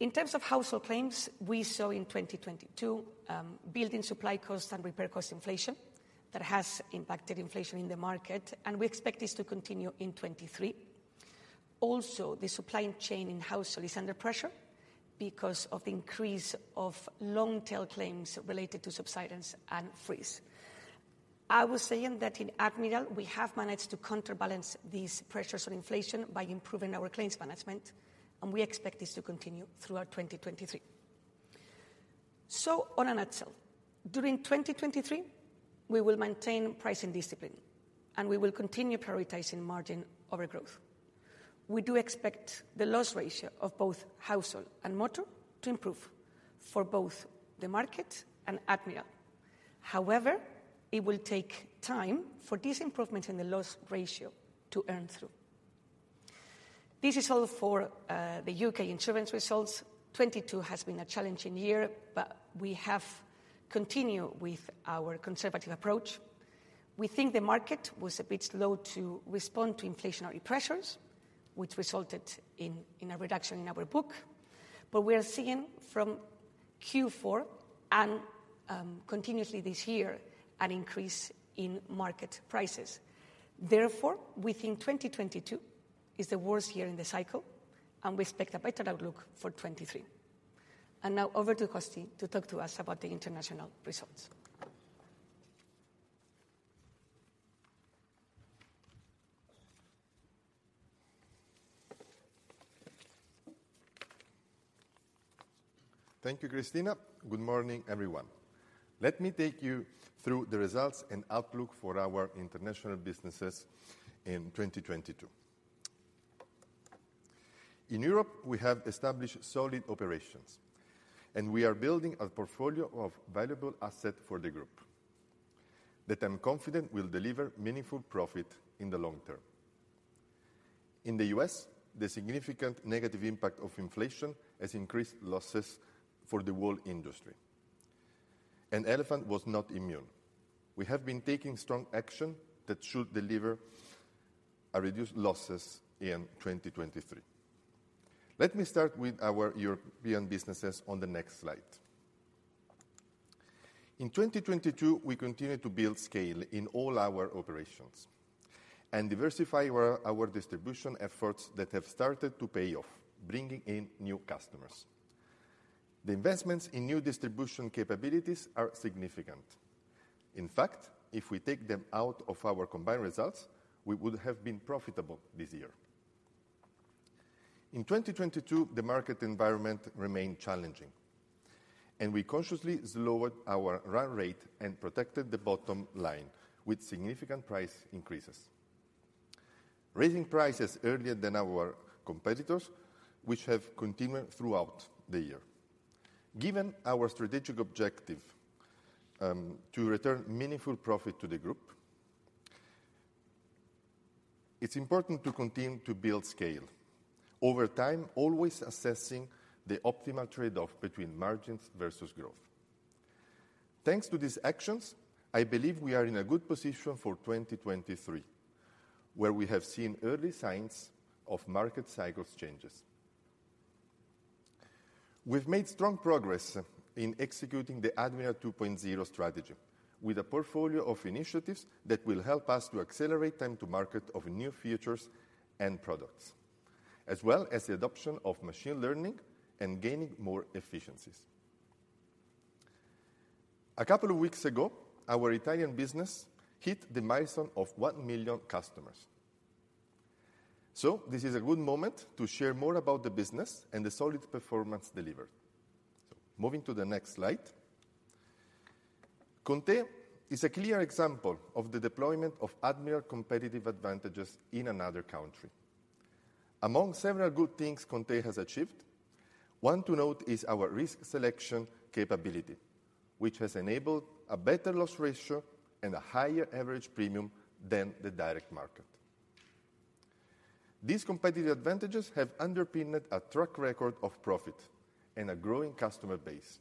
In terms of household claims, we saw in 2022, building supply cost and repair cost inflation that has impacted inflation in the market. We expect this to continue in 2023. The supply chain in household is under pressure because of the increase of long-tail claims related to subsidence and freeze. I was saying that in Admiral, we have managed to counterbalance these pressures on inflation by improving our claims management. We expect this to continue throughout 2023. All in itself, during 2023, we will maintain pricing discipline. We will continue prioritizing margin over growth. We do expect the loss ratio of both household and motor to improve for both the market and Admiral. However, it will take time for this improvement in the loss ratio to earn through. This is all for the U.K. insurance results. 2022 has been a challenging year. We have continued with our conservative approach. We think the market was a bit slow to respond to inflationary pressures, which resulted in a reduction in our book. We are seeing from Q4 and, continuously this year an increase in market prices. Therefore, we think 2022 is the worst year in the cycle, and we expect a better outlook for 2023. Now over to Costi to talk to us about the international results. Thank you, Cristina. Good morning, everyone. Let me take you through the results and outlook for our international businesses in 2022. In Europe, we have established solid operations, and we are building a portfolio of valuable asset for the group that I'm confident will deliver meaningful profit in the long term. In the U.S., the significant negative impact of inflation has increased losses for the world industry, and Elephant was not immune. We have been taking strong action that should deliver a reduced losses in 2023. Let me start with our European businesses on the next slide. In 2022, we continued to build scale in all our operations and diversify our distribution efforts that have started to pay off, bringing in new customers. The investments in new distribution capabilities are significant. In fact, if we take them out of our combined results, we would have been profitable this year. In 2022, the market environment remained challenging, and we consciously slowed our run rate and protected the bottom line with significant price increases, raising prices earlier than our competitors, which have continued throughout the year. Given our strategic objective to return meaningful profit to the group, it's important to continue to build scale over time, always assessing the optimal trade-off between margins versus growth. Thanks to these actions, I believe we are in a good position for 2023, where we have seen early signs of market cycles changes. We've made strong progress in executing the Admiral 2.0 strategy with a portfolio of initiatives that will help us to accelerate time to market of new features and products, as well as the adoption of machine learning and gaining more efficiencies. A couple of weeks ago, our Italian business hit the milestone of 1 million customers. This is a good moment to share more about the business and the solid performance delivered. Moving to the next slide. ConTe.it is a clear example of the deployment of Admiral competitive advantages in another country. Among several good things ConTe.it has achieved, one to note is our risk selection capability, which has enabled a better loss ratio and a higher average premium than the direct market. These competitive advantages have underpinned a track record of profit and a growing customer base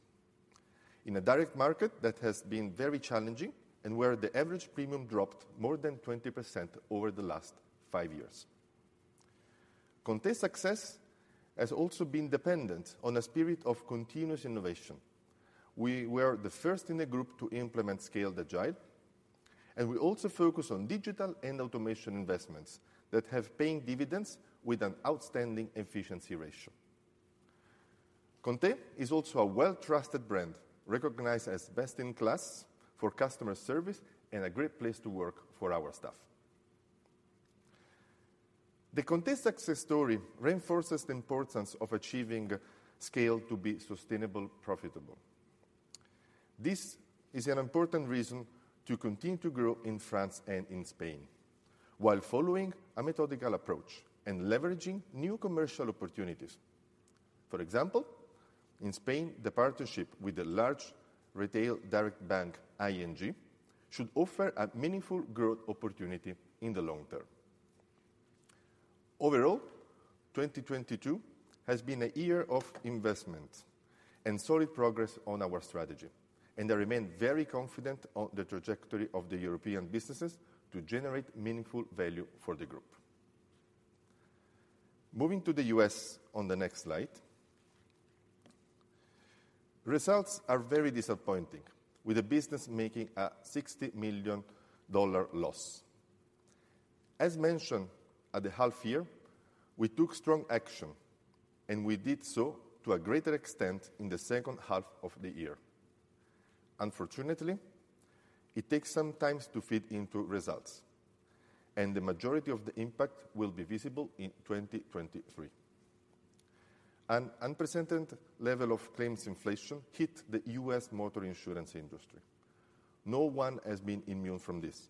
in a direct market that has been very challenging and where the average premium dropped more than 20% over the last five years. ConTe's success has also been dependent on a spirit of continuous innovation. We were the first in the group to implement Scaled Agile. We also focus on digital and automation investments that have paying dividends with an outstanding efficiency ratio. ConTe is also a well-trusted brand, recognized as best in class for customer service and a great place to work for our staff. The ConTe success story reinforces the importance of achieving scale to be sustainable, profitable. This is an important reason to continue to grow in France and in Spain while following a methodical approach and leveraging new commercial opportunities. For example, in Spain, the partnership with the large retail direct bank ING should offer a meaningful growth opportunity in the long term. Overall, 2022 has been a year of investment and solid progress on our strategy. I remain very confident on the trajectory of the European businesses to generate meaningful value for the group. Moving to the U.S. On the next slide. Results are very disappointing, with the business making a $60 million loss. As mentioned at the half year, we took strong action. We did so to a greater extent in the second half of the year. Unfortunately, it takes some time to feed into results. The majority of the impact will be visible in 2023. An unprecedented level of claims inflation hit the U.S. Motor insurance industry. No one has been immune from this,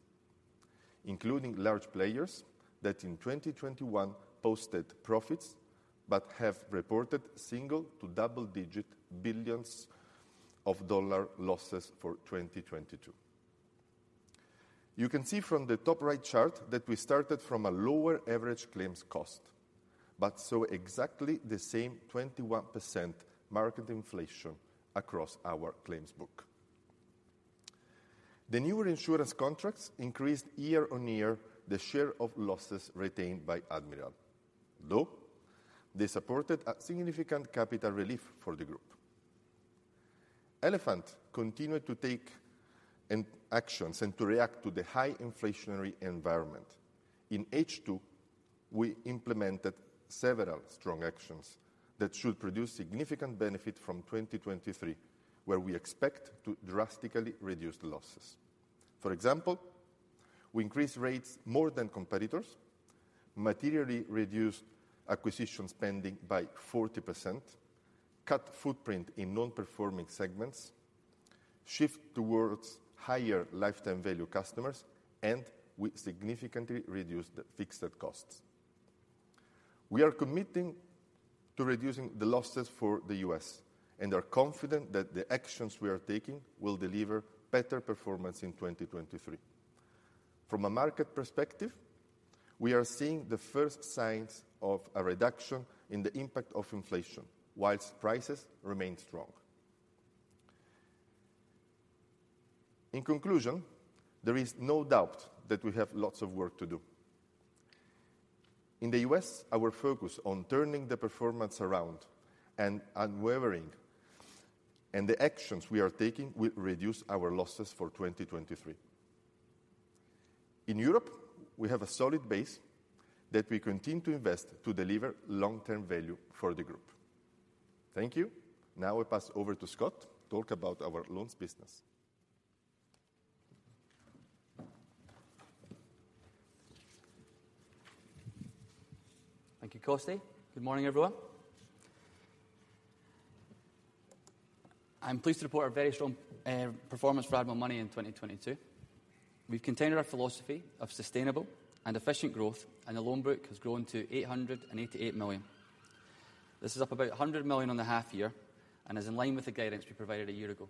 including large players that in 2021 posted profits but have reported single to double-digit billions of dollar losses for 2022. You can see from the top right chart that we started from a lower average claims cost, but saw exactly the same 21% market inflation across our claims book. The newer insurance contracts increased year-on-year the share of losses retained by Admiral, though they supported a significant capital relief for the group. Elephant continued to take an actions and to react to the high inflationary environment. In H2, we implemented several strong actions that should produce significant benefit from 2023, where we expect to drastically reduce losses. For example, we increased rates more than competitors, materially reduced acquisition spending by 40%, cut footprint in non-performing segments, shift towards higher lifetime value customers, and we significantly reduced the fixed costs. We are committing to reducing the losses for the U.S. and are confident that the actions we are taking will deliver better performance in 2023. From a market perspective, we are seeing the first signs of a reduction in the impact of inflation, whilst prices remain strong. In conclusion, there is no doubt that we have lots of work to do. In the U.S., our focus on turning the performance around and unwavering, and the actions we are taking will reduce our losses for 2023. In Europe, we have a solid base that we continue to invest to deliver long-term value for the Group. Thank you. Now I pass over to Scott to talk about our loans business. Thank you, Costi. Good morning, everyone. I'm pleased to report a very strong performance for Admiral Money in 2022. We've continued our philosophy of sustainable and efficient growth. The loan book has grown to 888 million. This is up about 100 million on the half year and is in line with the guidance we provided a year ago.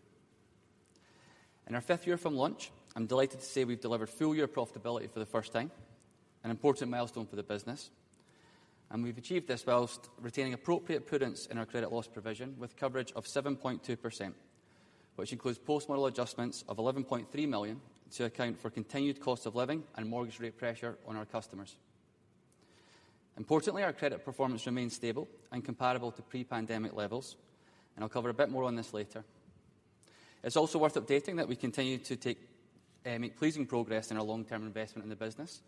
In our fifth year from launch, I'm delighted to say we've delivered full year profitability for the first time, an important milestone for the business. We've achieved this whilst retaining appropriate prudence in our credit loss provision with coverage of 7.2%, which includes post-model adjustments of GBP 11.3 million to account for continued cost of living and mortgage rate pressure on our customers. Our credit performance remains stable and comparable to pre-pandemic levels. I'll cover a bit more on this later. It's also worth updating that we continue to make pleasing progress in our long-term investment in the business.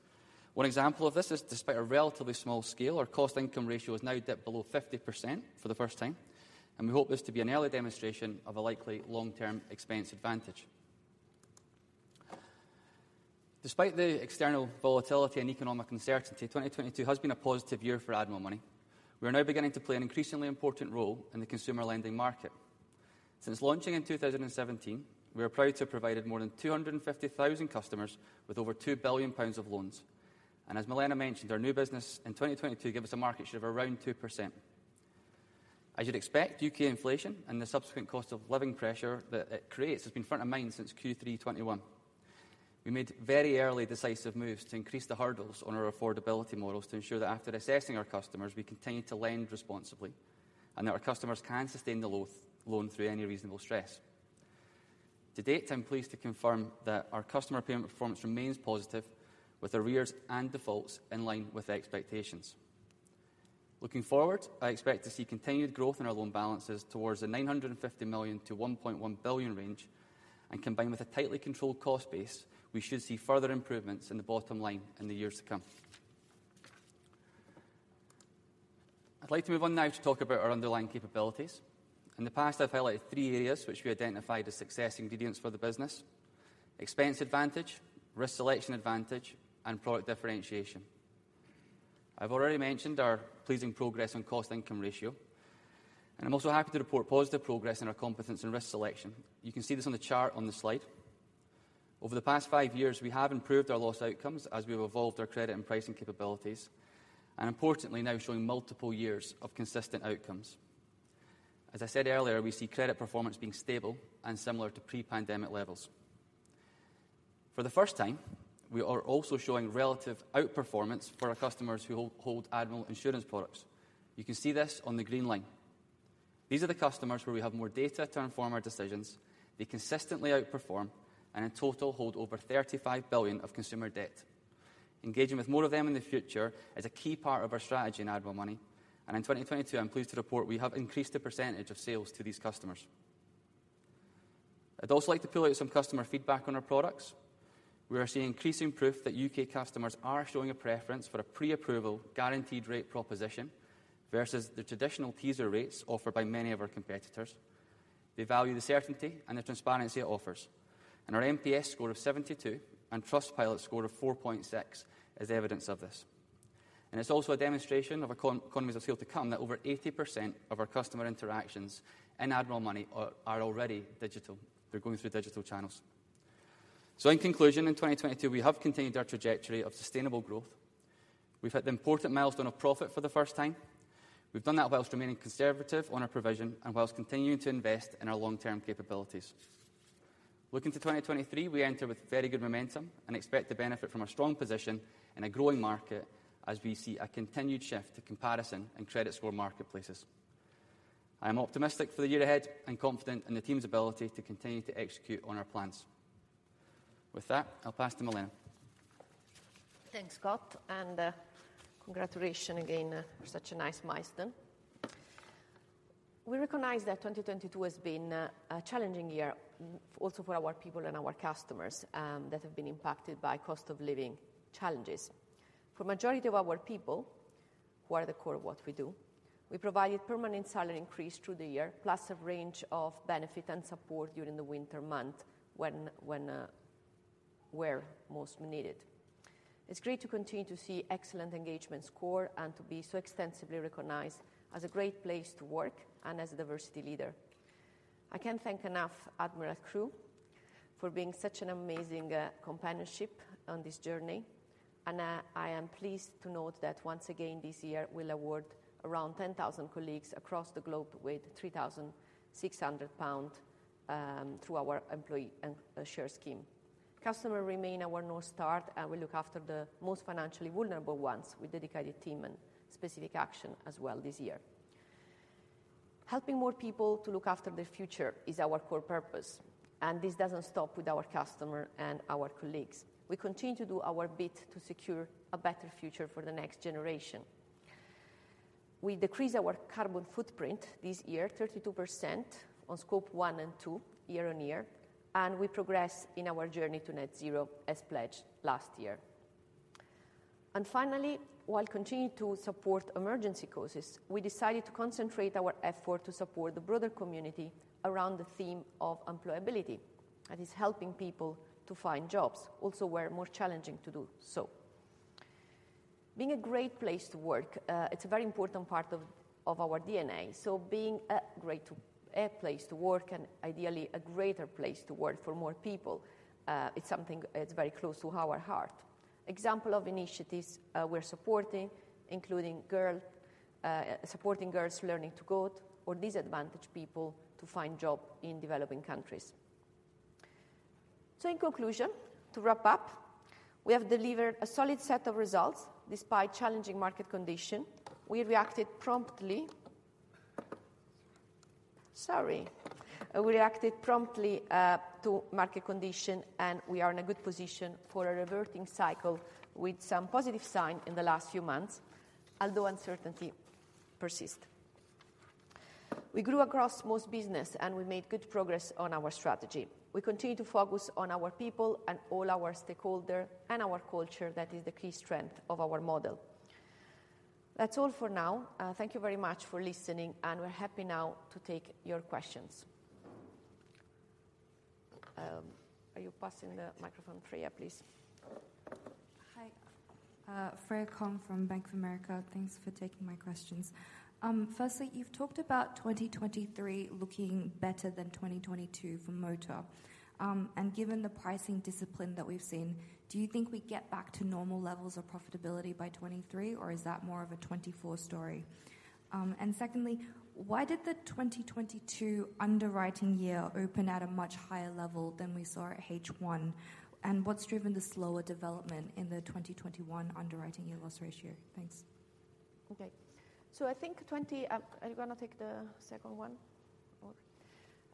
One example of this is despite a relatively small scale, our cost income ratio has now dipped below 50% for the first time. We hope this to be an early demonstration of a likely long-term expense advantage. Despite the external volatility and economic uncertainty, 2022 has been a positive year for Admiral Money. We are now beginning to play an increasingly important role in the consumer lending market. Since launching in 2017, we are proud to have provided more than 250,000 customers with over 2 billion pounds of loans. As Milena mentioned, our new business in 2022 gave us a market share of around 2%. As you'd expect, U.K. inflation and the subsequent cost of living pressure that it creates has been front of mind since Q3 2021. We made very early decisive moves to increase the hurdles on our affordability models to ensure that after assessing our customers, we continue to lend responsibly and that our customers can sustain the loan through any reasonable stress. To date, I'm pleased to confirm that our customer payment performance remains positive with arrears and defaults in line with expectations. Looking forward, I expect to see continued growth in our loan balances towards the 950 million-1.1 billion range, combined with a tightly controlled cost base, we should see further improvements in the bottom line in the years to come. I'd like to move on now to talk about our underlying capabilities. In the past, I've highlighted three areas which we identified as success ingredients for the business: expense advantage, risk selection advantage, and product differentiation. I've already mentioned our pleasing progress on cost income ratio, and I'm also happy to report positive progress in our competence in risk selection. You can see this on the chart on the slide. Over the past five years, we have improved our loss outcomes as we've evolved our credit and pricing capabilities, and importantly now showing multiple years of consistent outcomes. As I said earlier, we see credit performance being stable and similar to pre-pandemic levels. For the first time, we are also showing relative outperformance for our customers who hold Admiral insurance products. You can see this on the green line. These are the customers where we have more data to inform our decisions. They consistently outperform and in total hold over 35 billion of consumer debt. Engaging with more of them in the future is a key part of our strategy in Admiral Money. In 2022, I'm pleased to report we have increased the percentage of sales to these customers. I'd also like to pull out some customer feedback on our products. We are seeing increasing proof that U.K. customers are showing a preference for a pre-approval guaranteed rate proposition versus the traditional teaser rates offered by many of our competitors. They value the certainty and the transparency it offers, and our NPS score of 72 and Trustpilot score of 4.6 is evidence of this. It's also a demonstration of economies of scale to come that over 80% of our customer interactions in Admiral Money are already digital. They're going through digital channels. In conclusion, in 2022, we have continued our trajectory of sustainable growth. We've hit the important milestone of profit for the first time. We've done that while remaining conservative on our provision and while continuing to invest in our long-term capabilities. Looking to 2023, we enter with very good momentum and expect to benefit from a strong position in a growing market as we see a continued shift to comparison in credit score marketplaces. I am optimistic for the year ahead and confident in the team's ability to continue to execute on our plans. With that, I'll pass to Milena. Thanks, Scott, and congratulations again for such a nice milestone. We recognize that 2022 has been a challenging year also for our people and our customers, that have been impacted by cost of living challenges. For majority of our people. Who are the core of what we do. We provided permanent salary increase through the year, plus a range of benefit and support during the winter month when were most needed. It's great to continue to see excellent engagement score and to be so extensively recognized as a great place to work and as a diversity leader. I can't thank enough Admiral crew for being such an amazing companionship on this journey. I am pleased to note that once again this year we'll award around 10,000 colleagues across the globe with 3,600 pounds through our employee and share scheme. Customer remain our North Star. We look after the most financially vulnerable ones with dedicated team and specific action as well this year. Helping more people to look after their future is our core purpose, and this doesn't stop with our customer and our colleagues. We continue to do our bit to secure a better future for the next generation. We decrease our carbon footprint this year 32% on Scope 1 and two year-on-year, and we progress in our journey to net zero as pledged last year. Finally, while continuing to support emergency causes, we decided to concentrate our effort to support the broader community around the theme of employability. That is helping people to find jobs also where more challenging to do so. Being a great place to work, it's a very important part of our DNA. Being a great place to work and ideally a greater place to work for more people, is something that's very close to our heart. Example of initiatives, we're supporting, including supporting girls learning to code or disadvantaged people to find job in developing countries. In conclusion, to wrap up, we have delivered a solid set of results despite challenging market condition. We reacted promptly. Sorry. We reacted promptly to market condition, and we are in a good position for a reverting cycle with some positive sign in the last few months, although uncertainty persist. We grew across most business, and we made good progress on our strategy. We continue to focus on our people and all our stakeholder and our culture that is the key strength of our model. That's all for now. Thank you very much for listening, and we're happy now to take your questions. Are you passing the microphone Freya, please? Hi. Freya Kong from Bank of America. Thanks for taking my questions. Firstly, you've talked about 2023 looking better than 2022 for motor. Given the pricing discipline that we've seen, do you think we get back to normal levels of profitability by 2023, or is that more of a 2024 story? Secondly, why did the 2022 underwriting year open at a much higher level than we saw at H1? What's driven the slower development in the 2021 underwriting year loss ratio? Thanks. Okay. Are you going to take the second one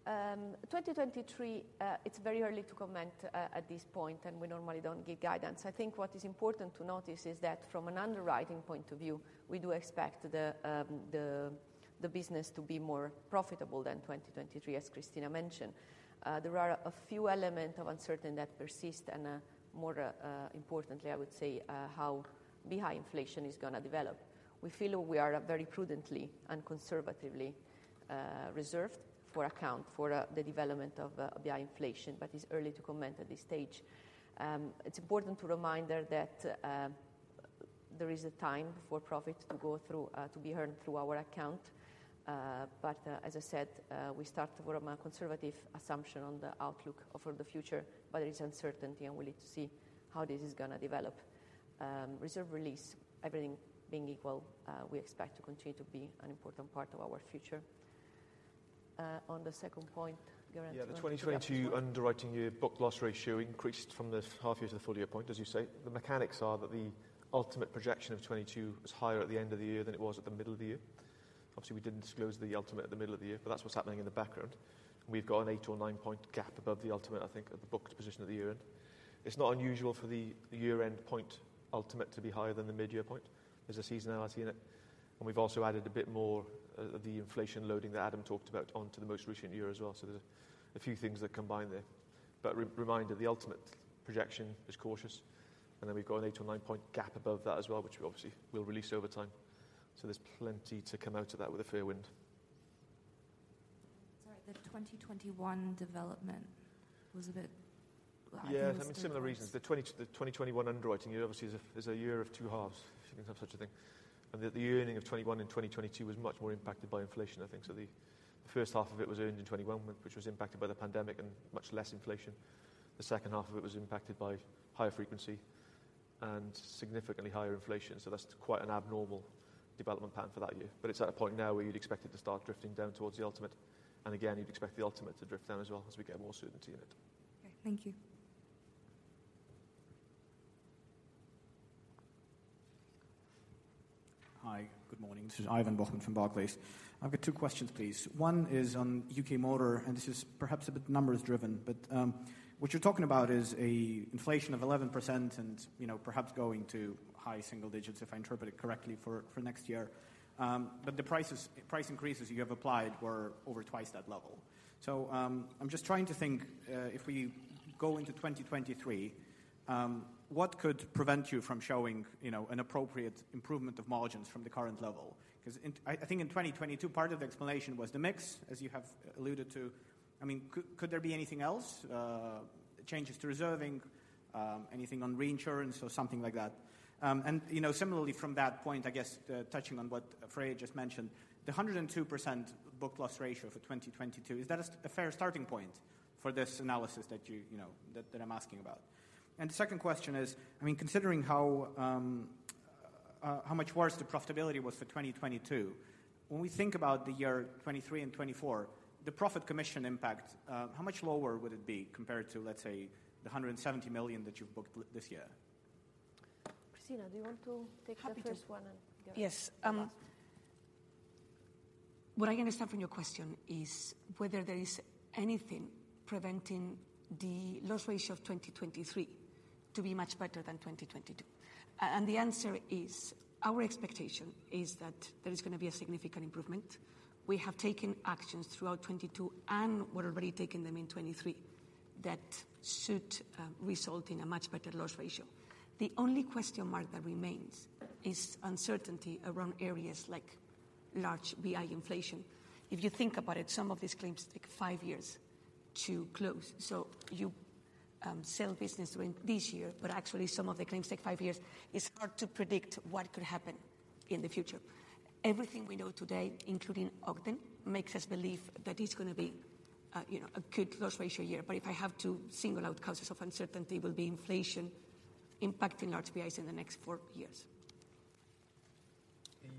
or? 2023, it's very early to comment at this point, we normally do not give guidance. What is important to notice is that from an underwriting point of view, we do expect the business to be more profitable than 2023, as Cristina mentioned. There are a few element of uncertainty that persist, more importantly, I would say, how BI inflation is going to develop. We feel we are very prudently and conservatively reserved for account for the development of BI inflation, it is early to comment at this stage. It is important to reminder that there is a time for profit to go through to be earned through our account. As I said, we start from a conservative assumption on the outlook for the future, but there is uncertainty, and we'll need to see how this is gonna develop. Reserve release, everything being equal, we expect to continue to be an important part of our future. On the second point, Geraint. Yeah. The 2022 underwriting year book loss ratio increased from the half year to the full year point, as you say. The mechanics are that the ultimate projection of 22 was higher at the end of the year than it was at the middle of the year. Obviously, we didn't disclose the ultimate at the middle of the year, but that's what's happening in the background. We've got an 8 or 9 point gap above the ultimate, I think, at the booked position at the year end. It's not unusual for the year end point ultimate to be higher than the mid-year point. There's a seasonality in it. We've also added a bit more of the inflation loading that Adam talked about onto the most recent year as well. There's a few things that combine there. Re-reminder, the ultimate projection is cautious. We've got an 8 or 9 point gap above that as well, which we obviously will release over time. There's plenty to come out of that with a fair wind. Sorry. The 2021 development was a bit... Yeah. I mean, similar reasons. The 2021 underwriting year obviously is a year of two halves, if you can have such a thing. The year ending of 2021 and 2022 was much more impacted by inflation, I think. The first half of it was earned in 2021, which was impacted by the pandemic and much less inflation. The second half of it was impacted by higher frequency and significantly higher inflation. That's quite an abnormal development pattern for that year. It's at a point now where you'd expect it to start drifting down towards the ultimate. Again, you'd expect the ultimate to drift down as well as we get more certainty in it. Okay. Thank you. Hi. Good morning. This is Ivan Bures from Barclays. I've got two Questions, please. One is on U.K. motor, and this is perhaps a bit numbers driven, but what you're talking about is a inflation of 11% and, you know, perhaps going to high single digits, if I interpret it correctly, for next year. The price increases you have applied were over twice that level. I'm just trying to think, if we go into 2023, what could prevent you from showing, you know, an appropriate improvement of margins from the current level? I think in 2022 part of the explanation was the mix, as you have alluded to. Could there be anything else? Changes to reserving, anything on reinsurance or something like that? You know, similarly from that point, I guess, touching on what Freya just mentioned, the 102% book loss ratio for 2022, is that a fair starting point for this analysis that you know, that I'm asking about? The second question is, I mean, considering how much worse the profitability was for 2022, when we think about the year 2023 and 2024, the profit commission impact, how much lower would it be compared to, let's say, the 170 million that you've booked this year? Cristina, do you want to take the first one? Happy to. Yes. What I understand from your question is whether there is anything preventing the loss ratio of 2023 to be much better than 2022. The answer is, our expectation is that there is gonna be a significant improvement. We have taken actions throughout 2022, and we're already taking them in 2023 that should result in a much better loss ratio. The only question mark that remains is uncertainty around areas like large BI inflation. If you think about it, some of these claims take five years to close. You sell business during this year, but actually some of the claims take five years. It's hard to predict what could happen in the future. Everything we know today, including Ogden, makes us believe that it's gonna be a, you know, a good loss ratio year. If I have to single out causes of uncertainty will be inflation impacting large BI in the next four years.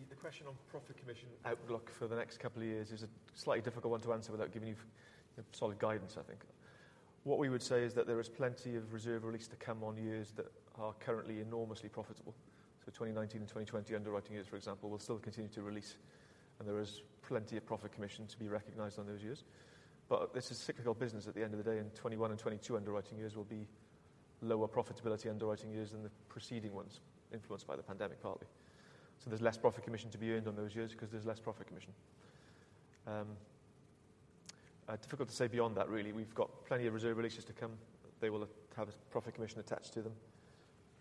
The question on profit commission outlook for the next couple of years is a slightly difficult one to answer without giving you solid guidance, I think. What we would say is that there is plenty of reserve release to come on years that are currently enormously profitable. 2019 and 2020 underwriting years, for example, will still continue to release, and there is plenty of profit commission to be recognized on those years. This is cyclical business at the end of the day, and 2021 and 2022 underwriting years will be lower profitability underwriting years than the preceding ones, influenced by the pandemic partly. There's less profit commission to be earned on those years because there's less profit commission. difficult to say beyond that really. We've got plenty of reserve releases to come. They will have a profit commission attached to them.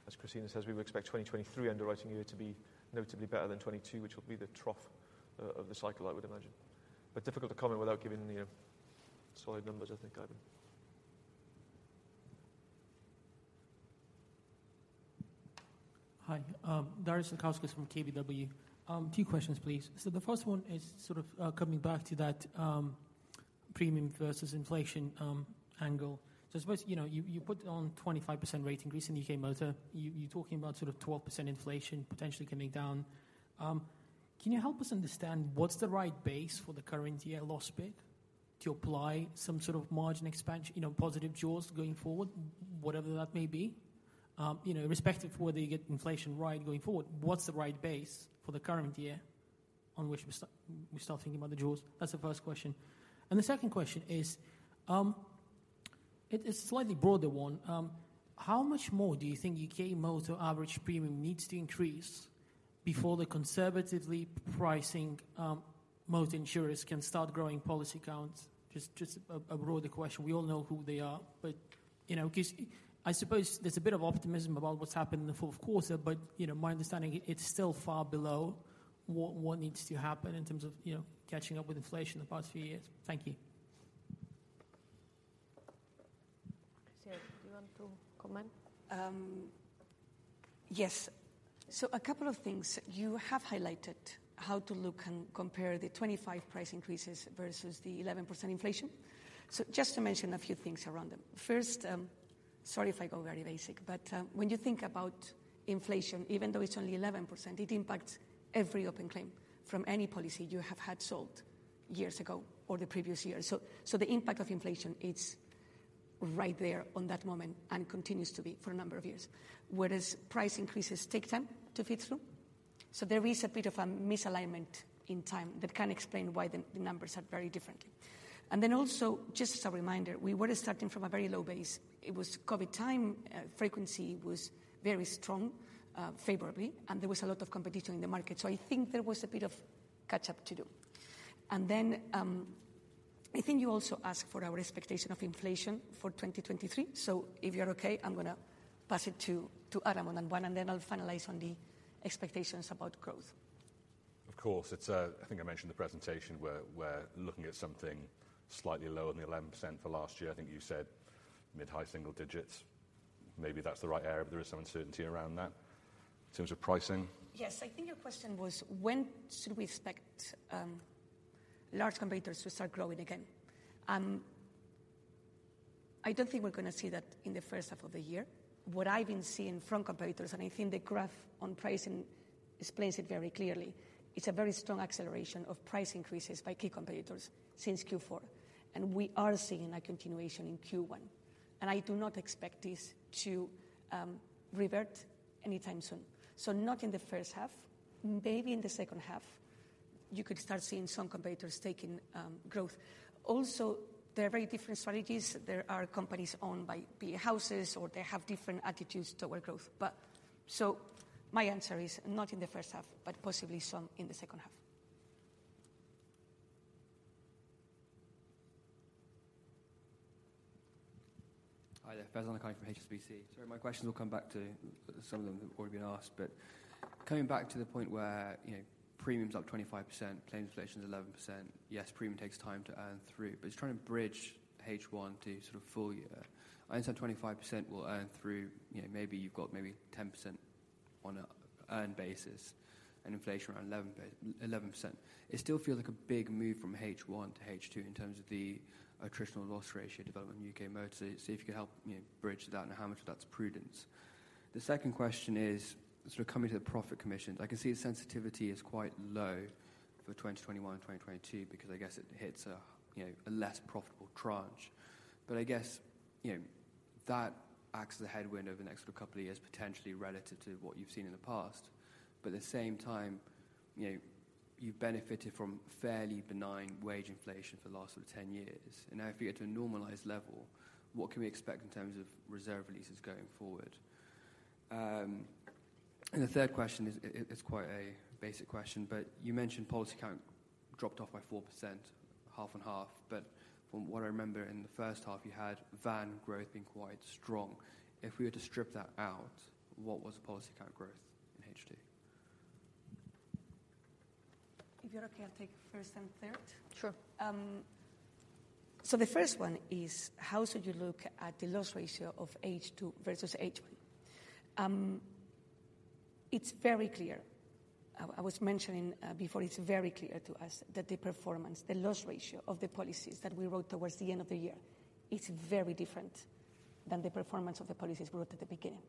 As Cristina says, we would expect 2023 underwriting year to be notably better than 2022, which will be the trough of the cycle, I would imagine. Difficult to comment without giving the solid numbers, I think, Ivan. Hi. Darius Satkauskas from KBW. Two questions, please. The first one is coming back to that premium versus inflation angle. I suppose, you know, you put on 25% rate increase in U.K. Motor. You talking about 12% inflation potentially coming down. Can you help us understand what's the right base for the current year loss bit to apply some sort of margin expansion, you know, positive jaws going forward, whatever that may be? You know, irrespective of whether you get inflation right going forward, what's the right base for the current year on which we start thinking about the jaws? That's the first question. The second question is, it is slightly broader one. How much more do you think U.K. Motor average premium needs to increase before the conservatively pricing most insurers can start growing policy counts? Just a broader question. We all know who they are. You know, 'cause I suppose there's a bit of optimism about what's happened in the fourth quarter. You know, my understanding, it's still far below what needs to happen in terms of, you know, catching up with inflation the past few years. Thank you. Cristina, do you want to comment? Yes. A couple of things. You have highlighted how to look and compare the 25 price increases versus the 11% inflation. Just to mention a few things around them. First, sorry if I go very basic, but when you think about inflation, even though it's only 11%, it impacts every open claim from any policy you have had sold years ago or the previous year. The impact of inflation, it's right there on that moment and continues to be for a number of years. Whereas price increases take time to feed through. There is a bit of a misalignment in time that can explain why the numbers are very differently. Also just as a reminder, we were starting from a very low base. It was COVID time, frequency was very strong, favorably, and there was a lot of competition in the market. I think there was a bit of catch up to do. Then, I think you also asked for our expectation of inflation for 2023. If you're okay, I'm gonna pass it to Adam on that one, and then I'll finalize on the expectations about growth. Of course. It's, I think I mentioned the presentation where we're looking at something slightly lower than the 11% for last year. I think you said mid-high single digits. Maybe that's the right area, but there is some uncertainty around that in terms of pricing. Yes. I think your question was when should we expect large competitors to start growing again? I don't think we're gonna see that in the first half of the year. What I've been seeing from competitors, and I think the graph on pricing explains it very clearly, it's a very strong acceleration of price increases by key competitors since Q4. We are seeing a continuation in Q1. I do not expect this to revert anytime soon. Not in the first half. Maybe in the second half, you could start seeing some competitors taking growth. Also, there are very different strategies. There are companies owned by big houses, or they have different attitudes toward growth. My answer is not in the first half, but possibly some in the second half. Hi there. Farooq Hanif from HSBC. Sorry, my questions will come back to some of them have already been asked. Coming back to the point where, you know, premium's up 25%, claims inflation is 11%. Yes, premium takes time to earn through, but just trying to bridge H1 to sort of full year. I understand 25% will earn through, you know, maybe you've got maybe 10% on a earned basis and inflation around 11%. It still feels like a big move from H1 to H2 in terms of the attritional loss ratio development in U.K. motor. If you could help, you know, bridge that and how much of that's prudence. The second question is sort of coming to the profit commission. I can see the sensitivity is quite low for 2021 and 2022 because I guess it hits a, you know, a less profitable tranche. I guess, you know, that acts as a headwind over the next couple of years, potentially relative to what you've seen in the past. At the same time, you know, you've benefited from fairly benign wage inflation for the last sort of 10 years. Now if you get to a normalized level, what can we expect in terms of reserve releases going forward? The third question is quite a basic question, but you mentioned policy count dropped off by 4%, half and half. From what I remember in the first half, you had van growth being quite strong. If we were to strip that out, what was policy count growth in H2? If you're okay, I'll take first and third. Sure. The first one is how should you look at the loss ratio of H2 versus H1? It's very clear. I was mentioning before, it's very clear to us that the performance, the loss ratio of the policies that we wrote towards the end of the year is very different than the performance of the policies we wrote at the beginning.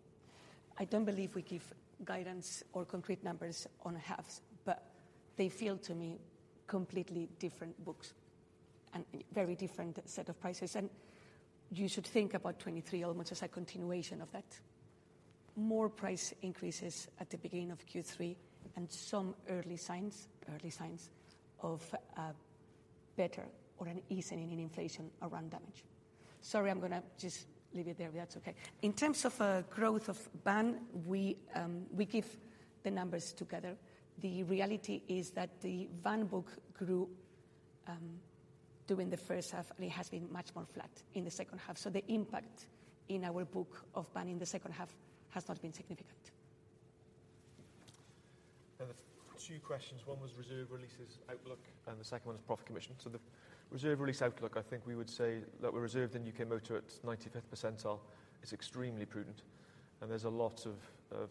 I don't believe we give guidance or concrete numbers on halves, but they feel to me completely different books and very different set of prices. You should think about 23 almost as a continuation of that. More price increases at the beginning of Q3 and some early signs of a better or an easing in inflation around damage. Sorry, I'm gonna just leave it there if that's okay. In terms of growth of van, we give the numbers together. The reality is that the van book grew, during the first half, and it has been much more flat in the second half. The impact in our book of van in the second half has not been significant. I have two questions. One was reserve releases outlook. The second one is profit commission. The reserve release outlook, I think we would say that we're reserved in U.K. motor at 95th percentile is extremely prudent, and there's a lot of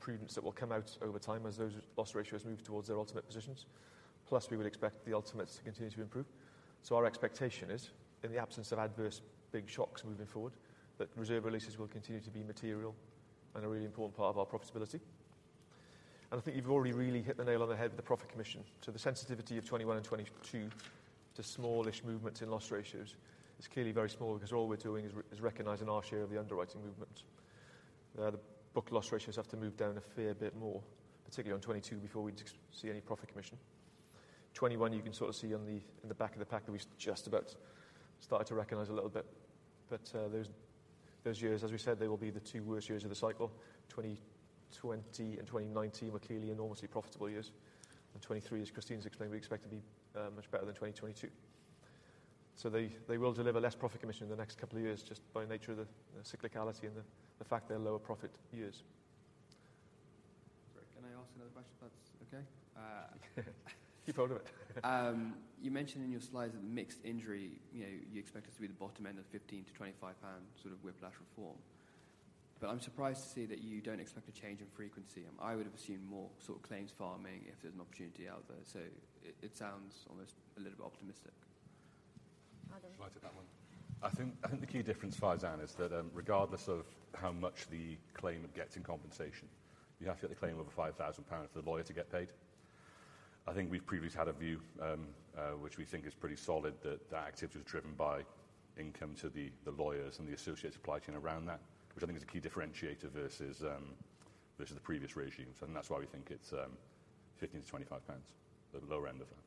prudence that will come out over time as those loss ratios move towards their ultimate positions. We would expect the ultimates to continue to improve. Our expectation is, in the absence of adverse big shocks moving forward, that reserve releases will continue to be material and a really important part of our profitability. I think you've already really hit the nail on the head with the profit commission. The sensitivity of 2021 and 2022 to smallish movements in loss ratios is clearly very small because all we're doing is recognizing our share of the underwriting movement. The book loss ratios have to move down a fair bit more, particularly on 2022, before we'd see any profit commission. 2021, you can sort of see in the back of the pack that we just about started to recognize a little bit. Those years, as we said, they will be the two worst years of the cycle. 2020 and 2019 were clearly enormously profitable years. 2023, as Cristina's explained, we expect to be much better than 2022. They will deliver less profit commission in the next couple of years just by nature of the cyclicality and the fact they're lower profit years. Sorry, can I ask another question if that's okay? Keep hold of it. You mentioned in your slides that the mixed injury, you know, you expect it to be the bottom end of 15-25 pound sort of whiplash reforms. I'm surprised to see that you don't expect a change in frequency. I would have assumed more sort of claims farming if there's an opportunity out there. It sounds almost a little bit optimistic. Adam. Shall I take that one? I think the key difference, Farooq, is that regardless of how much the claimant gets in compensation, you have to get the claim over 5,000 pounds for the lawyer to get paid. I think we've previously had a view which we think is pretty solid, that that activity is driven by income to the lawyers and the associated supply chain around that, which I think is a key differentiator versus versus the previous regimes. That's why we think it's 15-25 pounds, the lower end of that.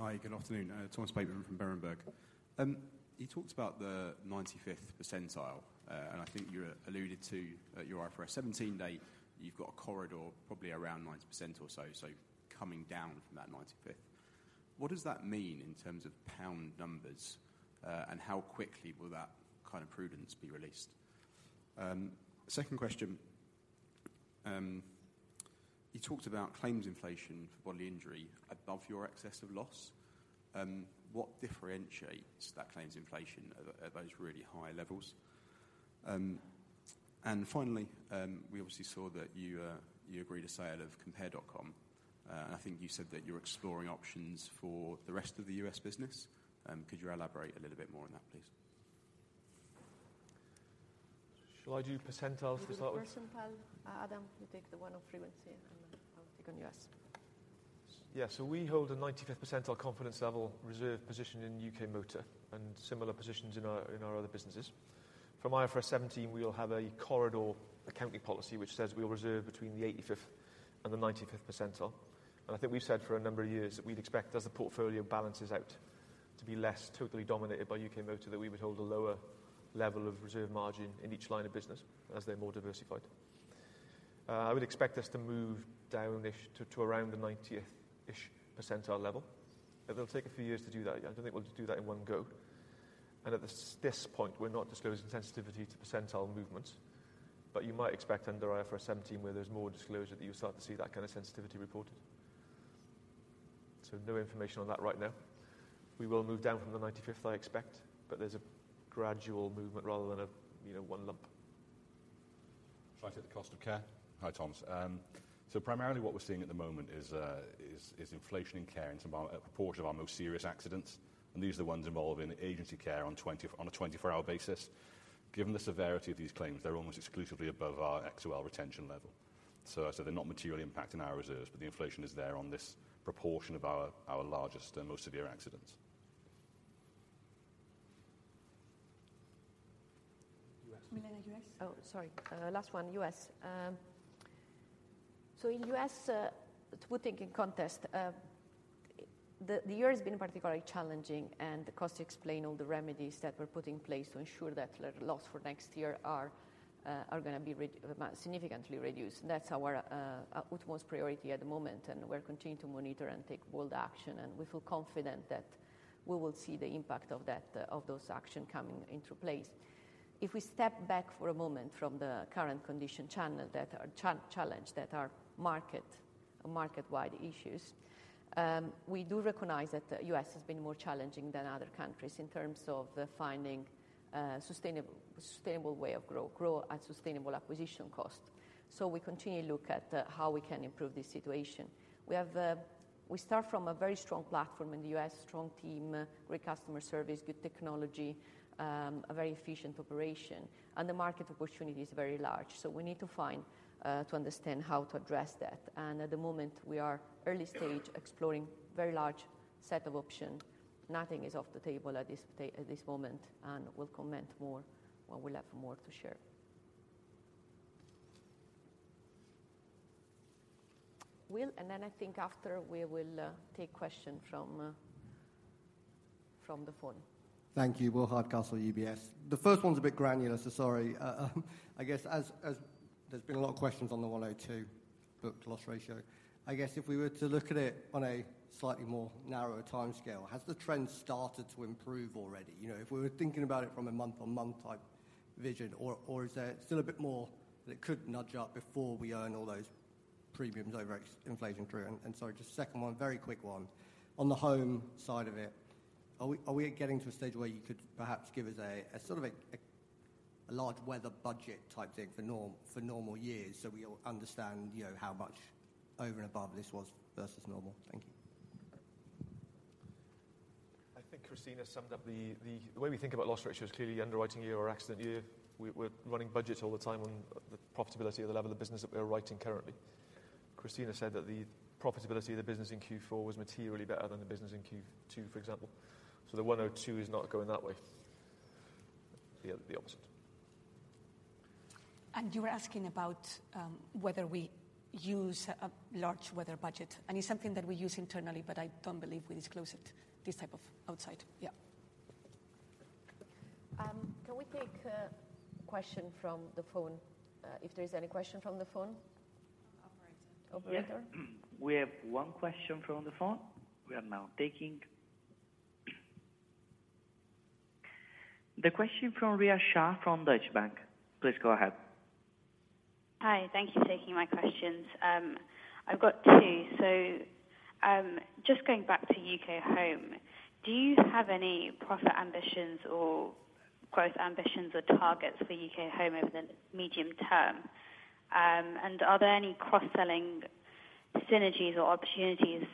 Hi, good afternoon. Thomas Bateman from Berenberg. You talked about the 95th percentile, and I think you alluded to your IFRS. To be less totally dominated by U.K. Motor that we would hold a lower level of reserve margin in each line of business as they're more diversified. I would expect us to move down-ish to around the ninetieth-ish percentile level. It'll take a few years to do that. I don't think we'll do that in one go. At this point, we're not disclosing sensitivity to percentile movements. You might expect under IFRS 17 where there's more disclosure that you start to see that kind of sensitivity reported. No information on that right now. We will move down from the 95th, I expect, but there's a gradual movement rather than a, you know, one lump. Shall I take the cost of care? Hi, Thomas. Primarily what we're seeing at the moment is inflation in care in a proportion of our most serious accidents, and these are the ones involved in agency care on a 24-hour basis. Given the severity of these claims, they're almost exclusively above our XOL retention level. They're not materially impacting our reserves, but the inflation is there on this proportion of our largest and most severe accidents. U.S. Sorry. Last one, U.S. In U.S., to put things in context, the year has been particularly challenging and the cost to explain all the remedies that we're putting in place to ensure that loss for next year are gonna be significantly reduced. That's our utmost priority at the moment, and we're continuing to monitor and take bold action, and we feel confident that we will see the impact of that, of those action coming into place. If we step back for a moment from the current condition channel that are challenge that our market-wide issues, we do recognize that the U.S. has been more challenging than other countries in terms of finding sustainable way of grow and sustainable acquisition cost. We continue look at how we can improve this situation. We have, we start from a very strong platform in the U.S., strong team, great customer service, good technology, a very efficient operation, and the market opportunity is very large. We need to find, to understand how to address that. At the moment we are early stage exploring very large set of option. Nothing is off the table at this moment, and we'll comment more when we'll have more to share. Will, I think after we will take question from the phone. Thank you. Will Hardcastle, UBS. The first one's a bit granular, sorry. I guess as there's been a lot of questions on the 102 book loss ratio. I guess if we were to look at it on a slightly more narrower timescale, has the trend started to improve already? You know, if we were thinking about it from a month-on-month type vision or is there still a bit more that it could nudge up before we earn all those premiums over ex-inflation crew? Sorry, just 2nd one, very quick one. On the home side of it, are we getting to a stage where you could perhaps give us a sort of a large weather budget type thing for normal years so we'll understand, you know, how much over and above this was versus normal? Thank you. I think Cristina summed up the way we think about loss ratios, clearly underwriting year or accident year. We're running budgets all the time on the profitability of the level of business that we are writing currently. Cristina said that the profitability of the business in Q4 was materially better than the business in Q2, for example. The 102% is not going that way. The opposite. You were asking about whether we use a large weather budget, and it's something that we use internally, but I don't believe we disclose it, this type of outside. Yeah. Can we take a question from the phone? If there is any question from the phone. Operator. Operator? Yes. We have one question from the phone. We are now taking the question from Ria Shah from Deutsche Bank. Please go ahead. Hi. Thank you for taking my questions. I've got two. Just going back to U.K. Home, do you have any profit ambitions or growth ambitions or targets for U.K. Home over the medium term? Are there any cross-selling synergies or opportunities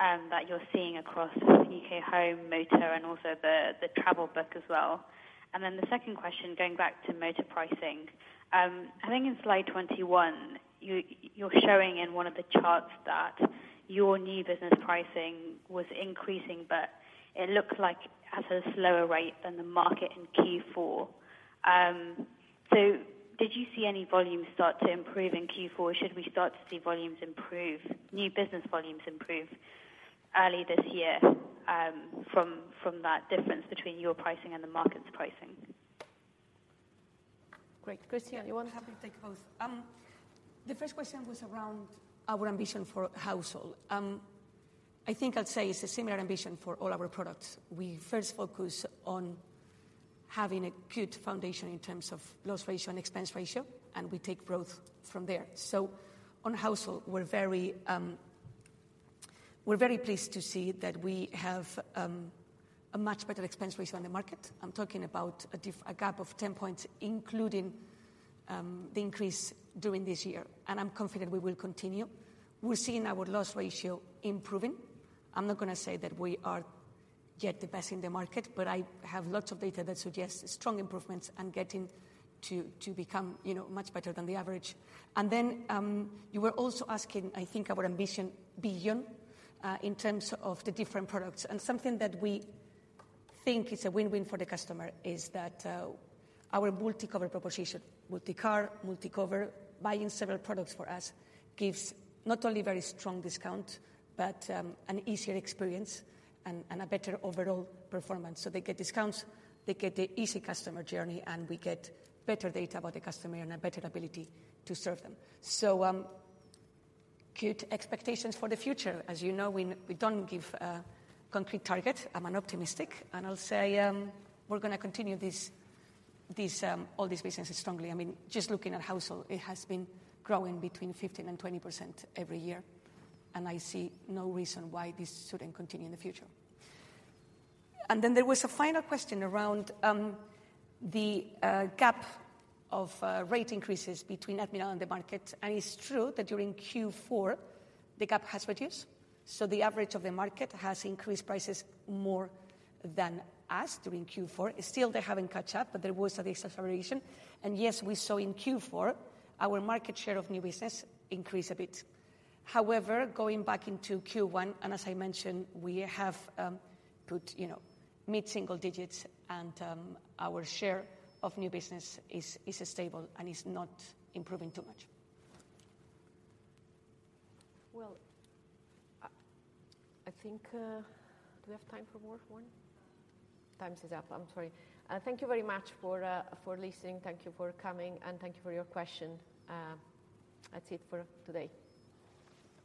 that you're seeing across U.K. Home, Motor and also the travel book as well? The second question, going back to motor pricing, I think in slide 21, you're showing in one of the charts that your new business pricing was increasing, but it looks like at a slower rate than the market in Q4. Did you see any volumes start to improve in Q4? Should we start to see volumes improve, new business volumes improve early this year, from that difference between your pricing and the market's pricing? Great. Cristina, you want to? Happy to take both. The first question was around our ambition for household. I think I'd say it's a similar ambition for all our products. We first focus on having a good foundation in terms of loss ratio and expense ratio. We take growth from there. On household, we're very, we're very pleased to see that we have a much better expense ratio than the market. I'm talking about a gap of 10 points, including the increase during this year. I'm confident we will continue. We're seeing our loss ratio improving. I'm not gonna say that we are yet the best in the market, but I have lots of data that suggests strong improvements and getting to become, you know, much better than the average. You were also asking, I think, our ambition beyond, in terms of the different products. Something that we think is a win-win for the customer is that our MultiCover proposition, MultiCar, MultiCover, buying several products for us gives not only very strong discount, but an easier experience and a better overall performance. They get discounts, they get the easy customer journey, and we get better data about the customer and a better ability to serve them. Good expectations for the future. As you know, we don't give a concrete target. I'm an optimistic, and I'll say, we're gonna continue this all these businesses strongly. I mean, just looking at household, it has been growing between 15% and 20% every year, and I see no reason why this shouldn't continue in the future. There was a final question around the gap of rate increases between Admiral and the market. It's true that during Q4 the gap has reduced. The average of the market has increased prices more than us during Q4. Still they haven't caught up, but there was a deceleration. Yes, we saw in Q4 our market share of new business increase a bit. However, going back into Q1, as I mentioned, we have good, you know, mid-single digits and our share of new business is stable and is not improving too much. Well, I think, do we have time for more one? Time is up. I'm sorry. Thank you very much for listening. Thank you for coming, and thank you for your question. That's it for today.